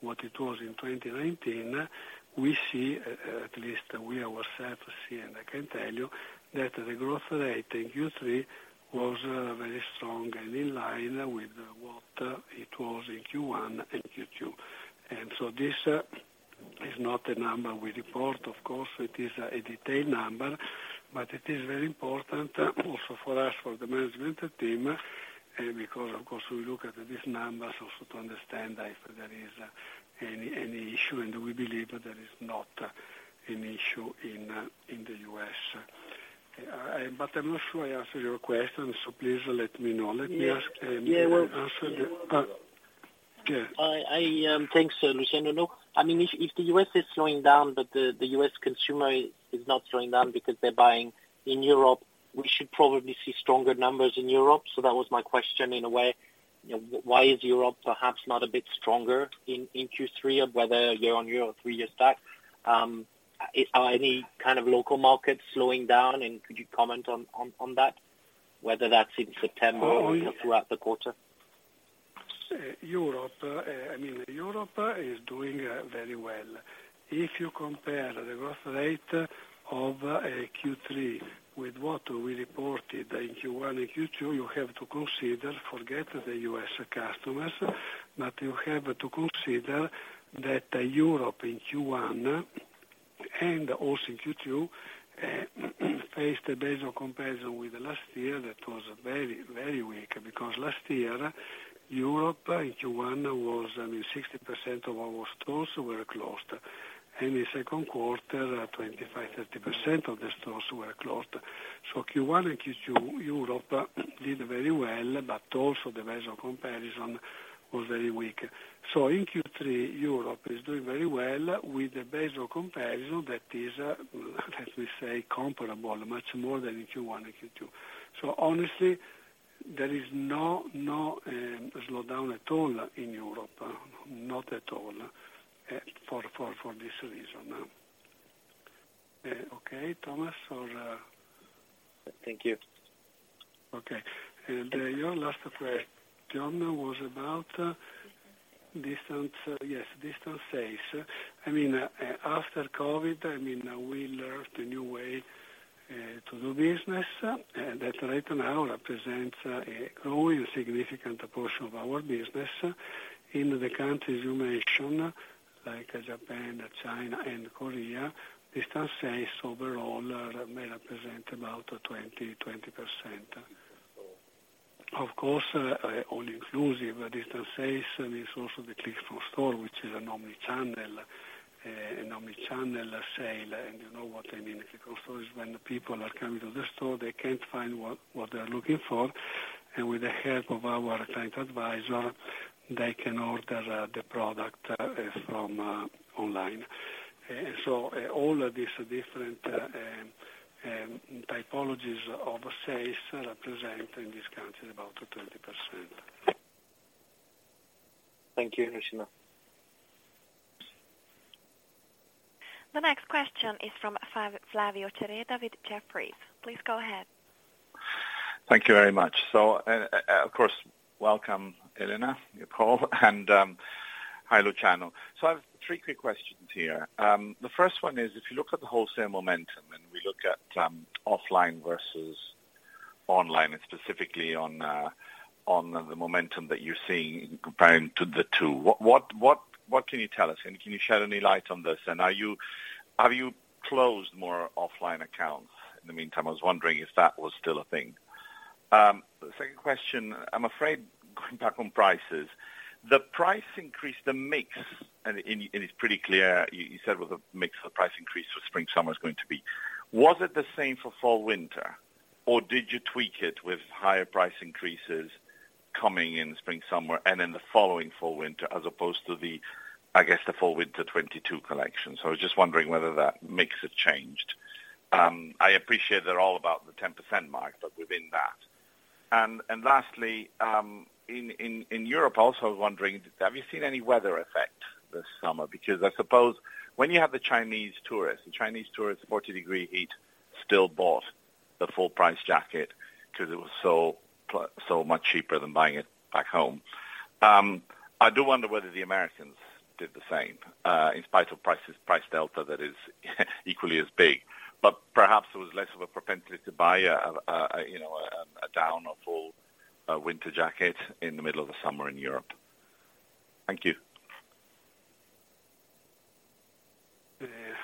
what it was in 2019, we see, at least we ourselves see, and I can tell you, that the growth rate in Q3 was very strong and in line with what it was in Q1 and Q2. This is not a number we report. Of course, it is a detailed number, but it is very important also for us, for the management team, because of course we look at these numbers also to understand if there is any issue, and we believe there is not an issue in the U.S. But I'm not sure I answered your question, so please let me know. Thanks, Luciano. No. I mean, if the U.S. is slowing down, but the U.S. consumer is not slowing down because they're buying in Europe, we should probably see stronger numbers in Europe. That was my question in a way, you know, why is Europe perhaps not a bit stronger in Q3, whether year-on-year or three years back? Are any kind of local markets slowing down? Could you comment on that, whether that's in September or throughout the quarter? I mean, Europe is doing very well. If you compare the growth rate of Q3 with what we reported in Q1 and Q2, you have to consider, forget the US customers, but you have to consider that Europe in Q1 and also in Q2 faced a base comparison with the last year that was very, very weak. Because last year, Europe in Q1 was, I mean, 60% of our stores were closed. In the Q2, 25-30% of the stores were closed. Q1 and Q2, Europe did very well, but also the base comparison was very weak. In Q3, Europe is doing very well with the base comparison that is, let me say, comparable much more than in Q1 and Q2. Honestly, there is no slowdown at all in Europe, not at all, for this reason. Okay, Thomas, for... Thank you. Okay. Your last question was about distance, yes, distance sales. I mean, after COVID, we learned a new way to do business, and that right now represents a growing significant portion of our business in the countries you mentioned, like Japan, China and Korea. Distance sales overall may represent about 20%. Of course, all inclusive distance sales is also the click and collect, which is an omni-channel sale. You know what I mean. Click from store is when people are coming to the store, they can't find what they are looking for, and with the help of our client advisor, they can order the product from online. All of these different typologies of sales represent in these countries about 20%. Thank you, Luciano. The next question is from Flavio Cereda with Jefferies. Please go ahead. Thank you very much. Of course, welcome, Elena, Nicole, and hi, Luciano. I have three quick questions here. The first one is, if you look at the wholesale momentum, and we look at offline versus online, and specifically on the momentum that you're seeing comparing to the two, what can you tell us? Can you shed any light on this? Have you closed more offline accounts in the meantime? I was wondering if that was still a thing. Second question, I'm afraid going back on prices. The price increase, the mix, and it's pretty clear, you said with a mix of price increase for spring/summer is going to be. Was it the same for fall/winter, or did you tweak it with higher price increases coming in spring/summer and in the following fall/winter as opposed to the fall/winter 2022 collection? I was just wondering whether that mix had changed. I appreciate they're all about the 10% mark, but within that. Lastly, in Europe, I also was wondering, have you seen any weather effect this summer? Because I suppose when you have the Chinese tourists 40-degree heat still bought the full price jacket because it was so much cheaper than buying it back home. I do wonder whether the Americans did the same in spite of price delta that is equally as big. perhaps there was less of a propensity to buy a you know a down or full winter jacket in the middle of the summer in Europe. Thank you.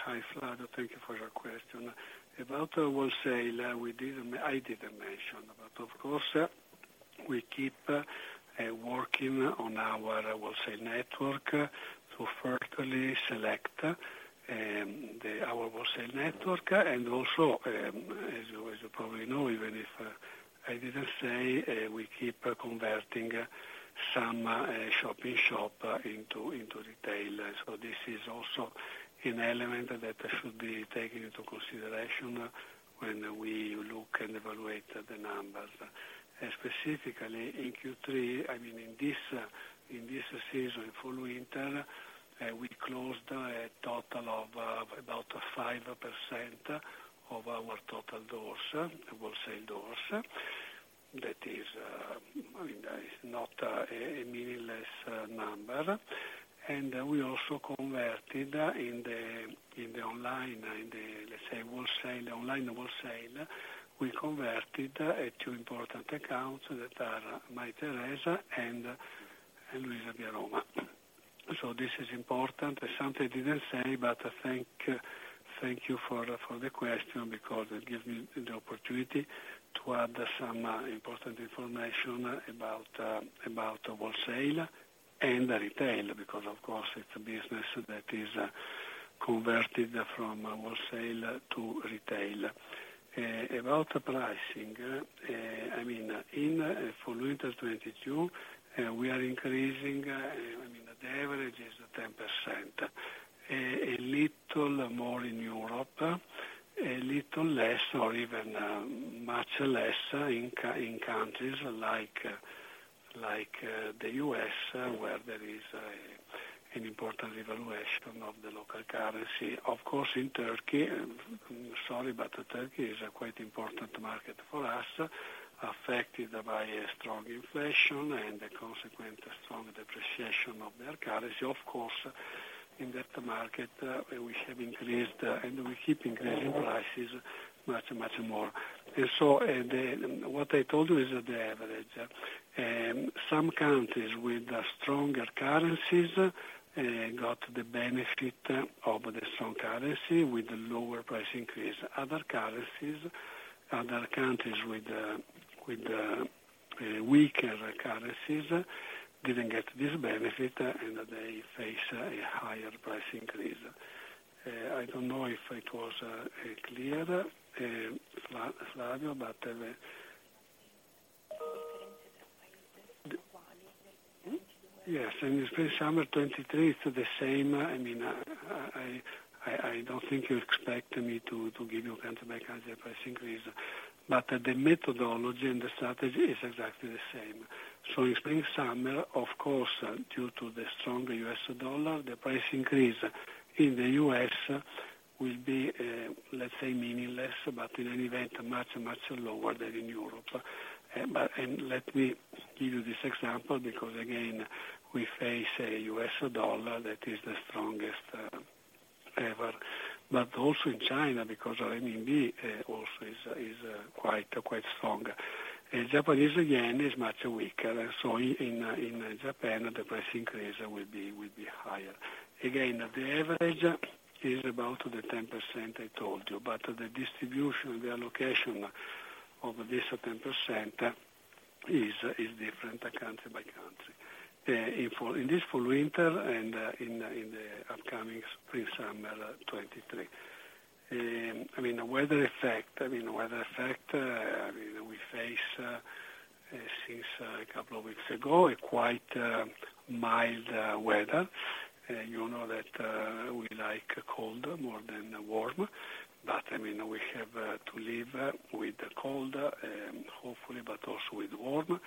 Hi Flavio, thank you for your question. About wholesale, I didn't mention, but of course, we keep working on our wholesale network to further select our wholesale network. Also, as you probably know, even if I didn't say, we keep converting some shop-in-shop into retail. This is also an element that should be taken into consideration when we look and evaluate the numbers. Specifically in Q3, I mean in this season, in full winter, we closed a total of about 5% of our total doors, wholesale doors. That is, I mean, that is not a meaningless number. We also converted, let's say, in the online wholesale, two important accounts that are Mytheresa and LuisaViaRoma. This is important. Something I didn't say, but thank you for the question because it gives me the opportunity to add some important information about wholesale and retail, because of course it's a business that is converted from wholesale to retail. About pricing, I mean, in fall/winter 2022, we are increasing, I mean the average is 10%. A little more in Europe, a little less or even much less in countries like the U.S., where there is an important devaluation of the local currency. Of course, in Turkey, sorry, but Turkey is a quite important market for us, affected by a strong inflation and the consequent strong depreciation of their currency. Of course, in that market, we have increased and we keep increasing prices much, much more. What I told you is the average. Some countries with stronger currencies got the benefit of the strong currency with lower price increase. Other countries with the weaker currencies didn't get this benefit, and they face a higher price increase. I don't know if it was clear, Flavio. Yes, in spring, summer 2023, it's the same. I mean, I don't think you expect me to give you country by country price increase. The methodology and the strategy is exactly the same. In spring summer, of course, due to the stronger U.S. dollar, the price increase in the U.S. will be, let's say, meaningless, but in any event, much lower than in Europe. Let me give you this example, because again, we face a U.S. dollar that is the strongest ever. Also in China, because RMB also is quite strong. Japanese yen is much weaker. In Japan, the price increase will be higher. Again, the average is about the 10% I told you, but the distribution, the allocation of this 10%, is different country by country, in this fall winter and in the upcoming spring summer 2023. I mean, weather effect, we face since a couple of weeks ago a quite mild weather. You know that we like cold more than warm. But I mean, we have to live with the cold, hopefully, but also with warm.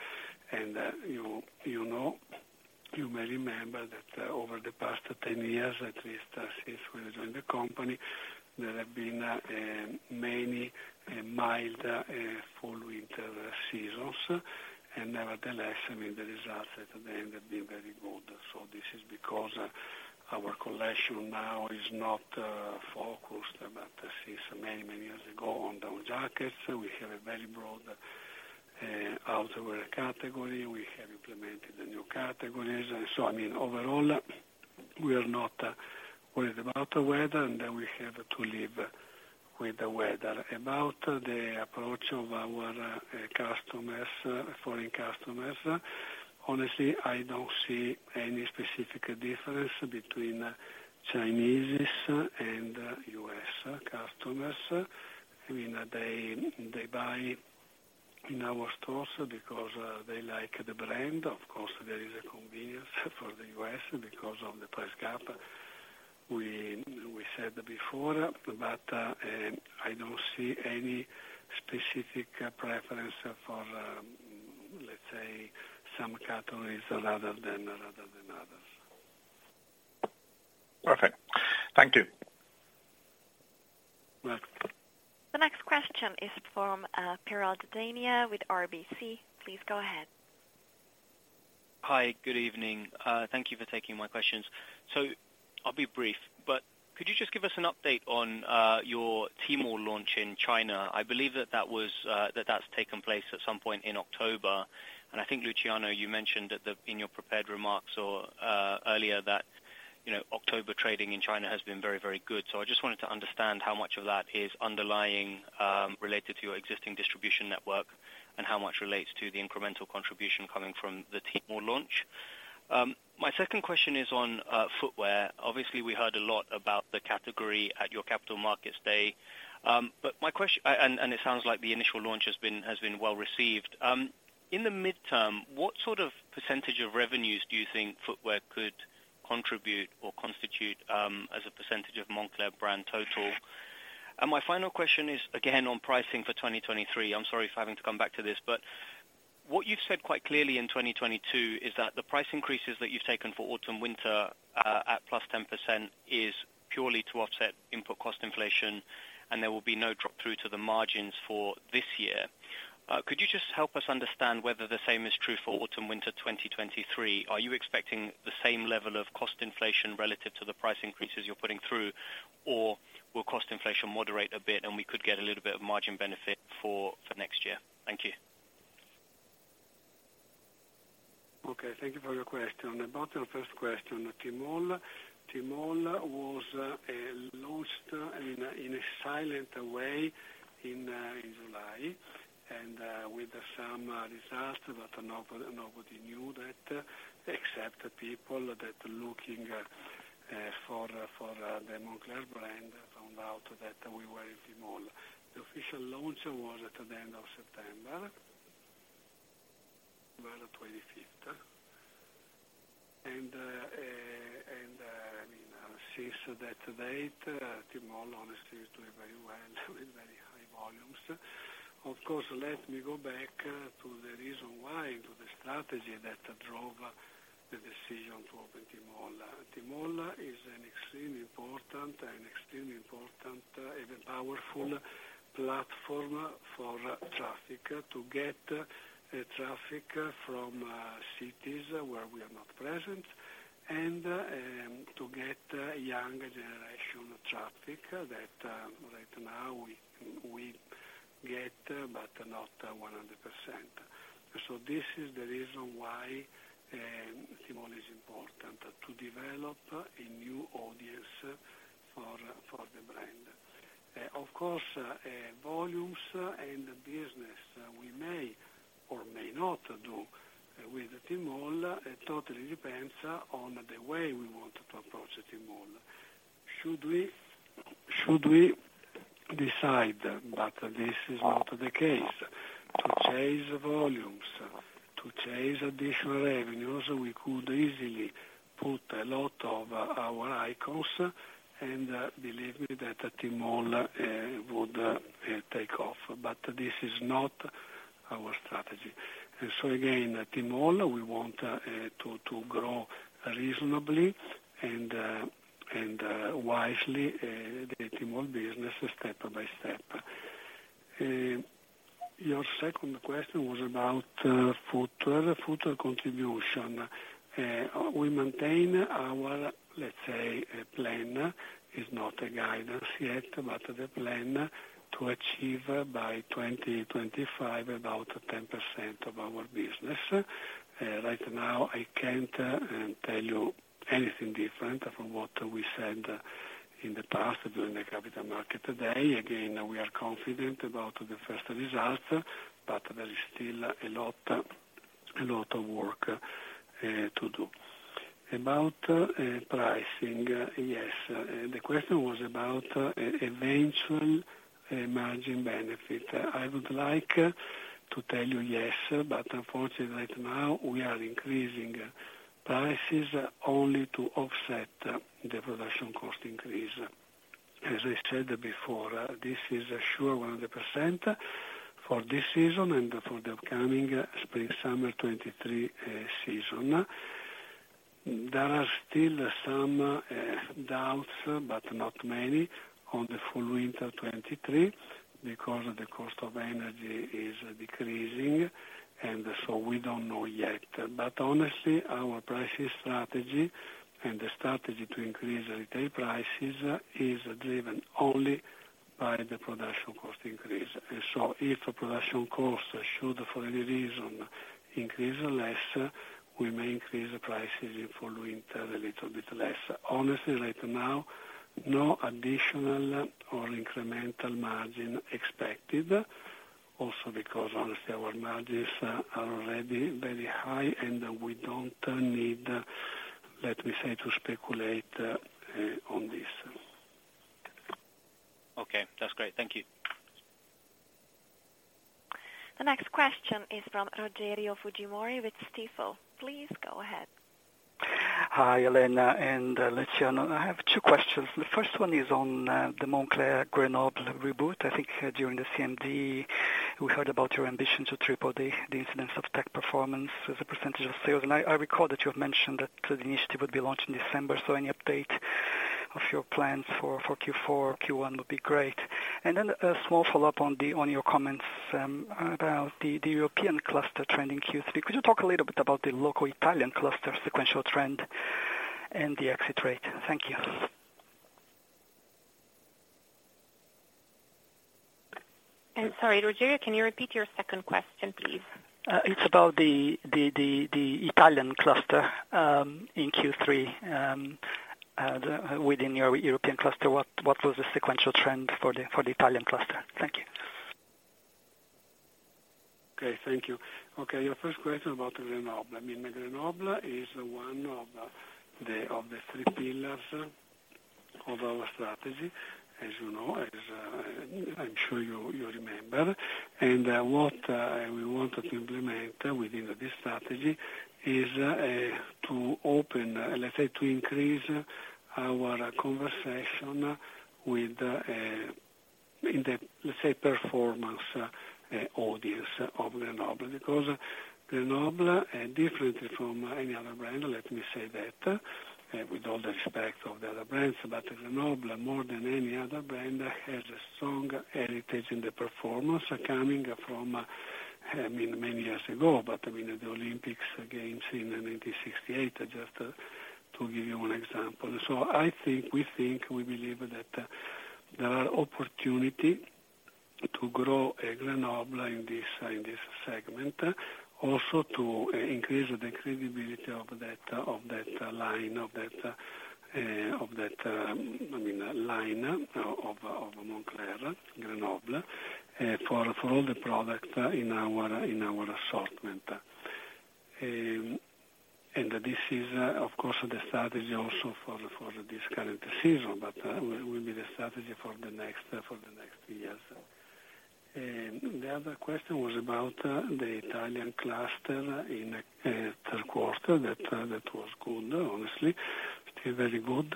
You know, you may remember that over the past 10 years, at least since we joined the company, there have been many mild fall winter seasons. Nevertheless, I mean, the results at the end have been very good. This is because our collection now is not focused, but since many years ago on down jackets. We have a very broad outerwear category. We have implemented new categories. I mean, overall, we are not worried about the weather, and then we have to live with the weather. About the approach of our customers, foreign customers, honestly, I don't see any specific difference between Chinese and US customers. I mean, they buy in our stores because they like the brand. Of course, there is a convenience for the U.S. because of the price gap we said before. I don't see any specific preference for, let's say, some categories rather than others. Perfect. Thank you. Welcome. The next question is from Piral Dadhania with RBC. Please go ahead. Hi, good evening. Thank you for taking my questions. I'll be brief, but could you just give us an update on your Tmall launch in China? I believe that's taken place at some point in October. I think, Luciano, you mentioned in your prepared remarks or earlier that, you know, October trading in China has been very, very good. I just wanted to understand how much of that is underlying related to your existing distribution network, and how much relates to the incremental contribution coming from the Tmall launch. My second question is on footwear. Obviously, we heard a lot about the category at your Capital Markets Day, but and it sounds like the initial launch has been well received. In the midterm, what sort of percentage of revenues do you think footwear could contribute or constitute, as a percentage of Moncler brand total? My final question is, again on pricing for 2023. I'm sorry for having to come back to this, but what you've said quite clearly in 2022 is that the price increases that you've taken for autumn/winter, at +10% is purely to offset input cost inflation, and there will be no drop through to the margins for this year. Could you just help us understand whether the same is true for autumn/winter 2023? Are you expecting the same level of cost inflation relative to the price increases you're putting through, or will cost inflation moderate a bit and we could get a little bit of margin benefit for next year? Thank you. Okay, thank you for your question. About your first question, Tmall. Tmall was launched in a silent way in July, and with some results that nobody knew that, except the people that looking for the Moncler brand found out that we were in Tmall. The official launch was at the end of September, around the 25th. You know, since that date, Tmall honestly is doing very well with very high volumes. Of course, let me go back to the reason why, to the strategy that drove the decision to open Tmall. Tmall is an extremely important and powerful platform for traffic. To get traffic from cities where we are not present and to get a younger generation traffic that right now we get, but not 100%. This is the reason why Tmall is important, to develop a new audience for the brand. Of course, volumes and business we may or may not do with Tmall, it totally depends on the way we want to approach Tmall. Should we decide, but this is not the case, to chase volumes, to chase additional revenues, we could easily put a lot of our icons and believe me, that Tmall would take off. This is not our strategy. Again, Tmall, we want to grow reasonably and wisely the Tmall business step by step. Your second question was about footwear. Footwear contribution. We maintain our, let's say, plan, is not a guidance yet, but the plan to achieve by 2025 about 10% of our business. Right now, I can't tell you anything different from what we said in the past during the Capital Markets Day. Again, we are confident about the first result, but there is still a lot of work to do. About pricing. Yes. The question was about eventual margin benefit. I would like to tell you yes, but unfortunately right now we are increasing prices only to offset the production cost increase. As I said before, this is a sure 100% for this season and for the upcoming spring/summer 2023 season. There are still some doubts, but not many on the full winter 2023 because the cost of energy is decreasing and so we don't know yet. Honestly, our pricing strategy and the strategy to increase retail prices is driven only by the production cost increase. If the production cost should for any reason increase less, we may increase the prices in full winter a little bit less. Honestly, right now, no additional or incremental margin expected also because honestly, our margins are already very high and we don't need, let me say, to speculate on this. Okay, that's great. Thank you. The next question is from Rogerio Fujimori with Stifel. Please go ahead. Hi, Elena and Luciano. I have two questions. The first one is on the Moncler Grenoble reboot. I think during the CMD, we heard about your ambition to triple the incidence of tech performance as a percentage of sales. I recall that you have mentioned that the initiative would be launched in December. Any update of your plans for Q4, Q1 would be great. A small follow-up on your comments about the European cluster trend in Q3. Could you talk a little bit about the local Italian cluster sequential trend and the exit rate? Thank you. I'm sorry, Rogerio, can you repeat your second question, please? It's about the Italian cluster in Q3. Within your European cluster, what was the sequential trend for the Italian cluster? Thank you. Okay, thank you. Okay, your first question about Grenoble. I mean, Grenoble is one of the three pillars of our strategy, as you know, as I'm sure you remember. What we wanted to implement within this strategy is to open, let's say, to increase our conversation with the performance audience of Grenoble. Because Grenoble differently from any other brand, let me say that with all due respect to the other brands. Grenoble, more than any other brand, has a strong heritage in performance coming from, I mean, many years ago, but I mean, the Olympic Games in 1968, just to give you one example. We believe that there are opportunities to grow Grenoble in this segment. To increase the credibility of that line of Moncler Grenoble for all the products in our assortment. This is, of course, the strategy also for this current season, but will be the strategy for the next years. The other question was about the Italian cluster in Q3. That was good, honestly. Still very good,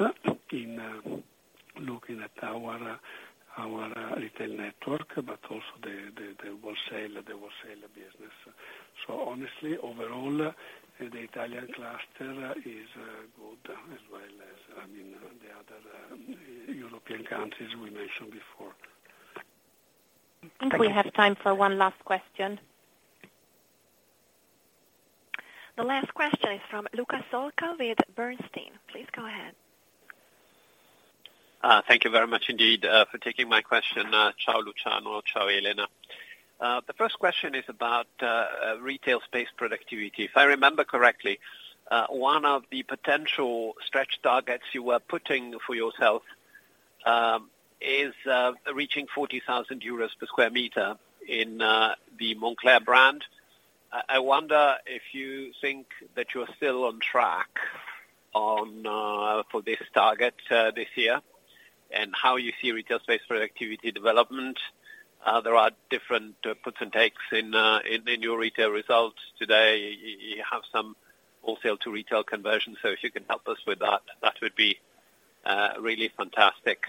looking at our retail network, but also the wholesale business. Honestly, overall, the Italian cluster is good as well as, I mean, the other European countries we mentioned before. We have time for one last question. The last question is from Luca Solca with Bernstein. Please go ahead. Thank you very much indeed for taking my question. Ciao Luciano, ciao Elena. The first question is about retail space productivity. If I remember correctly, one of the potential stretch targets you were putting for yourself is reaching 40,000 euros per sq m in the Moncler brand. I wonder if you think that you're still on track for this target this year, and how you see retail space productivity development. There are different puts and takes in your retail results today. You have some wholesale to retail conversion. So if you can help us with that would be really fantastic.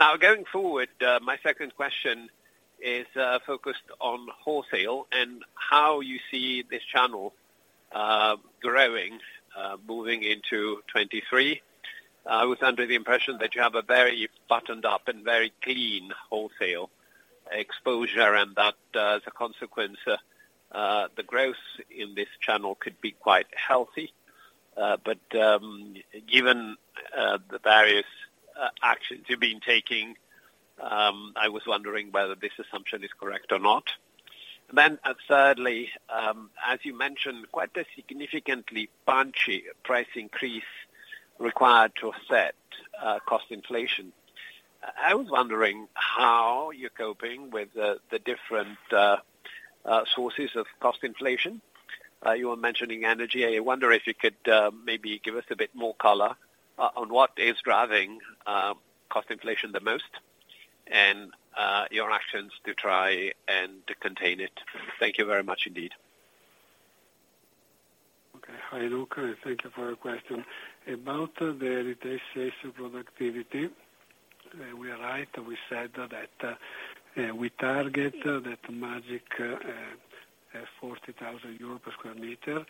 Now, going forward, my second question is focused on wholesale and how you see this channel growing moving into 2023. I was under the impression that you have a very buttoned up and very clean wholesale exposure, and that as a consequence, the growth in this channel could be quite healthy. Given the various actions you've been taking, I was wondering whether this assumption is correct or not. Thirdly, as you mentioned, quite a significantly punchy price increase required to offset cost inflation. I was wondering how you're coping with the different sources of cost inflation. You were mentioning energy. I wonder if you could maybe give us a bit more color on what is driving cost inflation the most and your actions to try and contain it. Thank you very much indeed. Okay. Hi, Luca, and thank you for your question. About the retail space productivity, we are right. We said that we target that magic 40,000 euro per square meter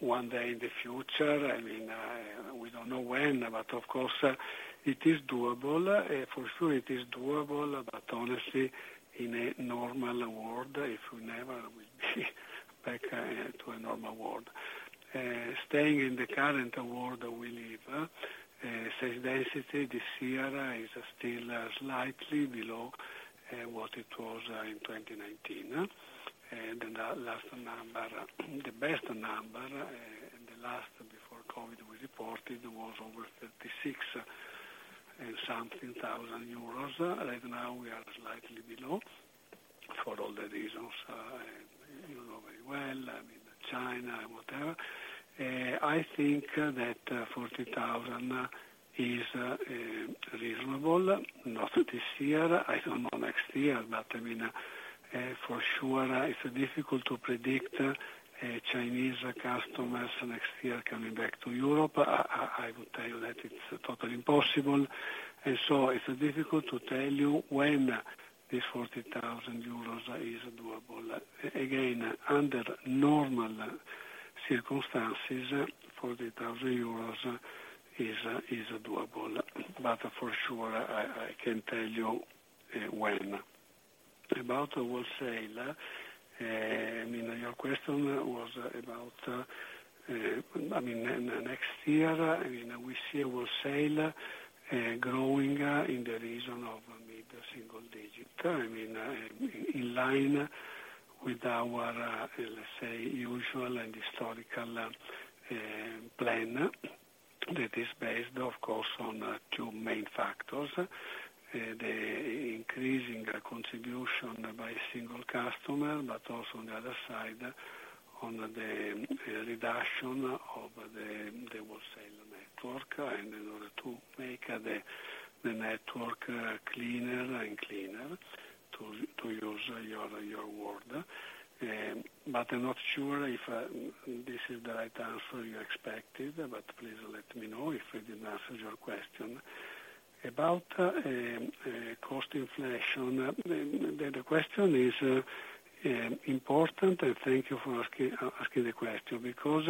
one day in the future. I mean, we don't know when, but of course, it is doable. For sure it is doable, but honestly, in a normal world, if we never will be back to a normal world. Staying in the current world we live, sales density this year is still slightly below what it was in 2019. The last number, the best number, and the last before COVID we reported was over 36-something thousand euros. Right now we are slightly below. For all the reasons you know very well, I mean, China, whatever. I think that 40,000 is reasonable, not this year, I don't know next year, but I mean, for sure it's difficult to predict Chinese customers next year coming back to Europe. I would tell you that it's totally impossible. It's difficult to tell you when this 40,000 euros is doable. Again, under normal circumstances, EUR 40,000 is doable. For sure, I can't tell you when. About wholesale, I mean, your question was about, I mean, next year, I mean, we see a wholesale growing in the region of mid-single digit. I mean, in line with our, let's say, usual and historical plan that is based, of course, on two main factors, the increasing contribution by a single customer, but also on the other side, on the reduction of the wholesale network. In order to make the network cleaner and cleaner, to use your word. I'm not sure if this is the right answer you expected, but please let me know if I didn't answer your question. About cost inflation, the question is important, and thank you for asking the question because,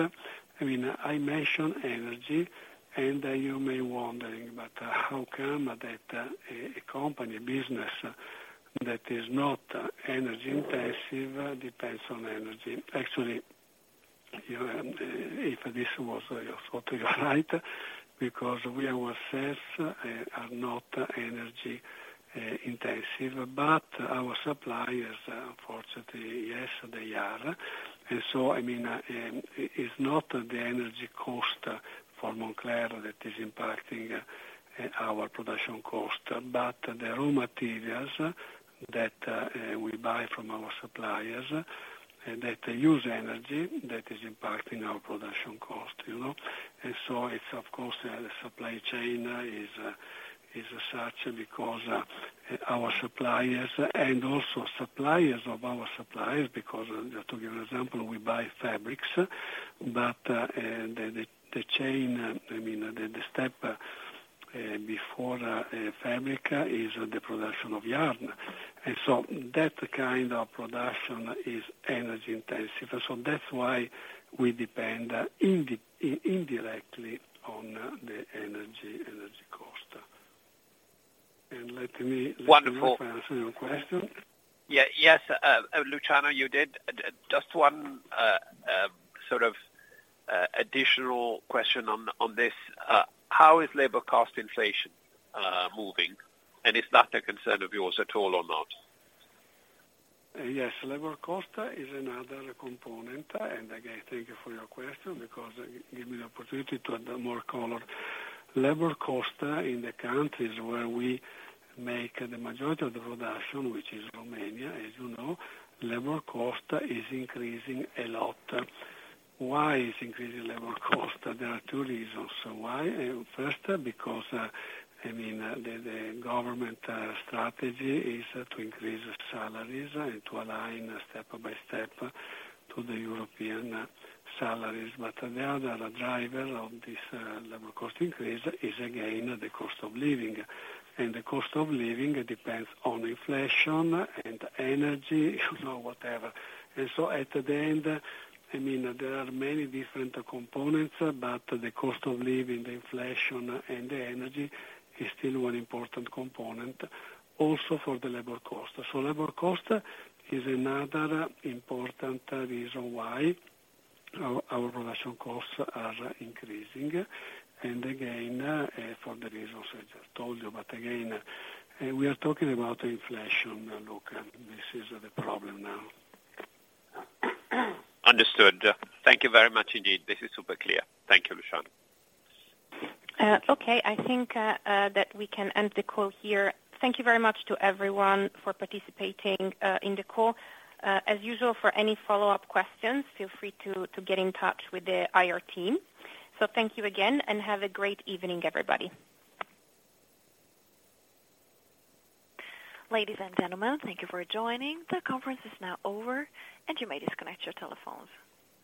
I mean, I mentioned energy, and you may be wondering about how come that a company business that is not energy-intensive depends on energy. Actually, you know, if this was your thought, you are right, because we ourselves are not energy intensive, but our suppliers, unfortunately, yes, they are. I mean, it's not the energy cost for Moncler that is impacting our production cost, but the raw materials that we buy from our suppliers that use energy that is impacting our production cost, you know. It's of course the supply chain is such because our suppliers and also suppliers of our suppliers because, to give you an example, we buy fabrics, but the chain, I mean, the step before fabric is the production of yarn. That kind of production is energy intensive. That's why we depend indirectly on the energy cost. Let me- Wonderful. Let me know if I answered your question. Yeah. Yes, Luciano, you did. Just one sort of additional question on this. How is labor cost inflation moving? Is that a concern of yours at all or not? Yes. Labor cost is another component. Again, thank you for your question because it give me the opportunity to add more color. Labor cost in the countries where we make the majority of the production, which is Romania, as you know, labor cost is increasing a lot. Why is increasing labor cost? There are two reasons why. First, because, I mean, the government strategy is to increase salaries and to align step by step to the European salaries. The other driver of this labor cost increase is again, the cost of living. The cost of living depends on inflation and energy, you know, whatever. At the end, I mean, there are many different components, but the cost of living, the inflation and the energy is still one important component also for the labor cost. Labor cost is another important reason why our production costs are increasing. Again, for the reasons I just told you, but again, we are talking about inflation. Look, this is the problem now. Understood. Thank you very much indeed. This is super clear. Thank you, Luciano. Okay. I think that we can end the call here. Thank you very much to everyone for participating in the call. As usual, for any follow-up questions, feel free to get in touch with the IR team. Thank you again, and have a great evening, everybody. Ladies and gentlemen, thank you for joining. The conference is now over, and you may disconnect your telephones.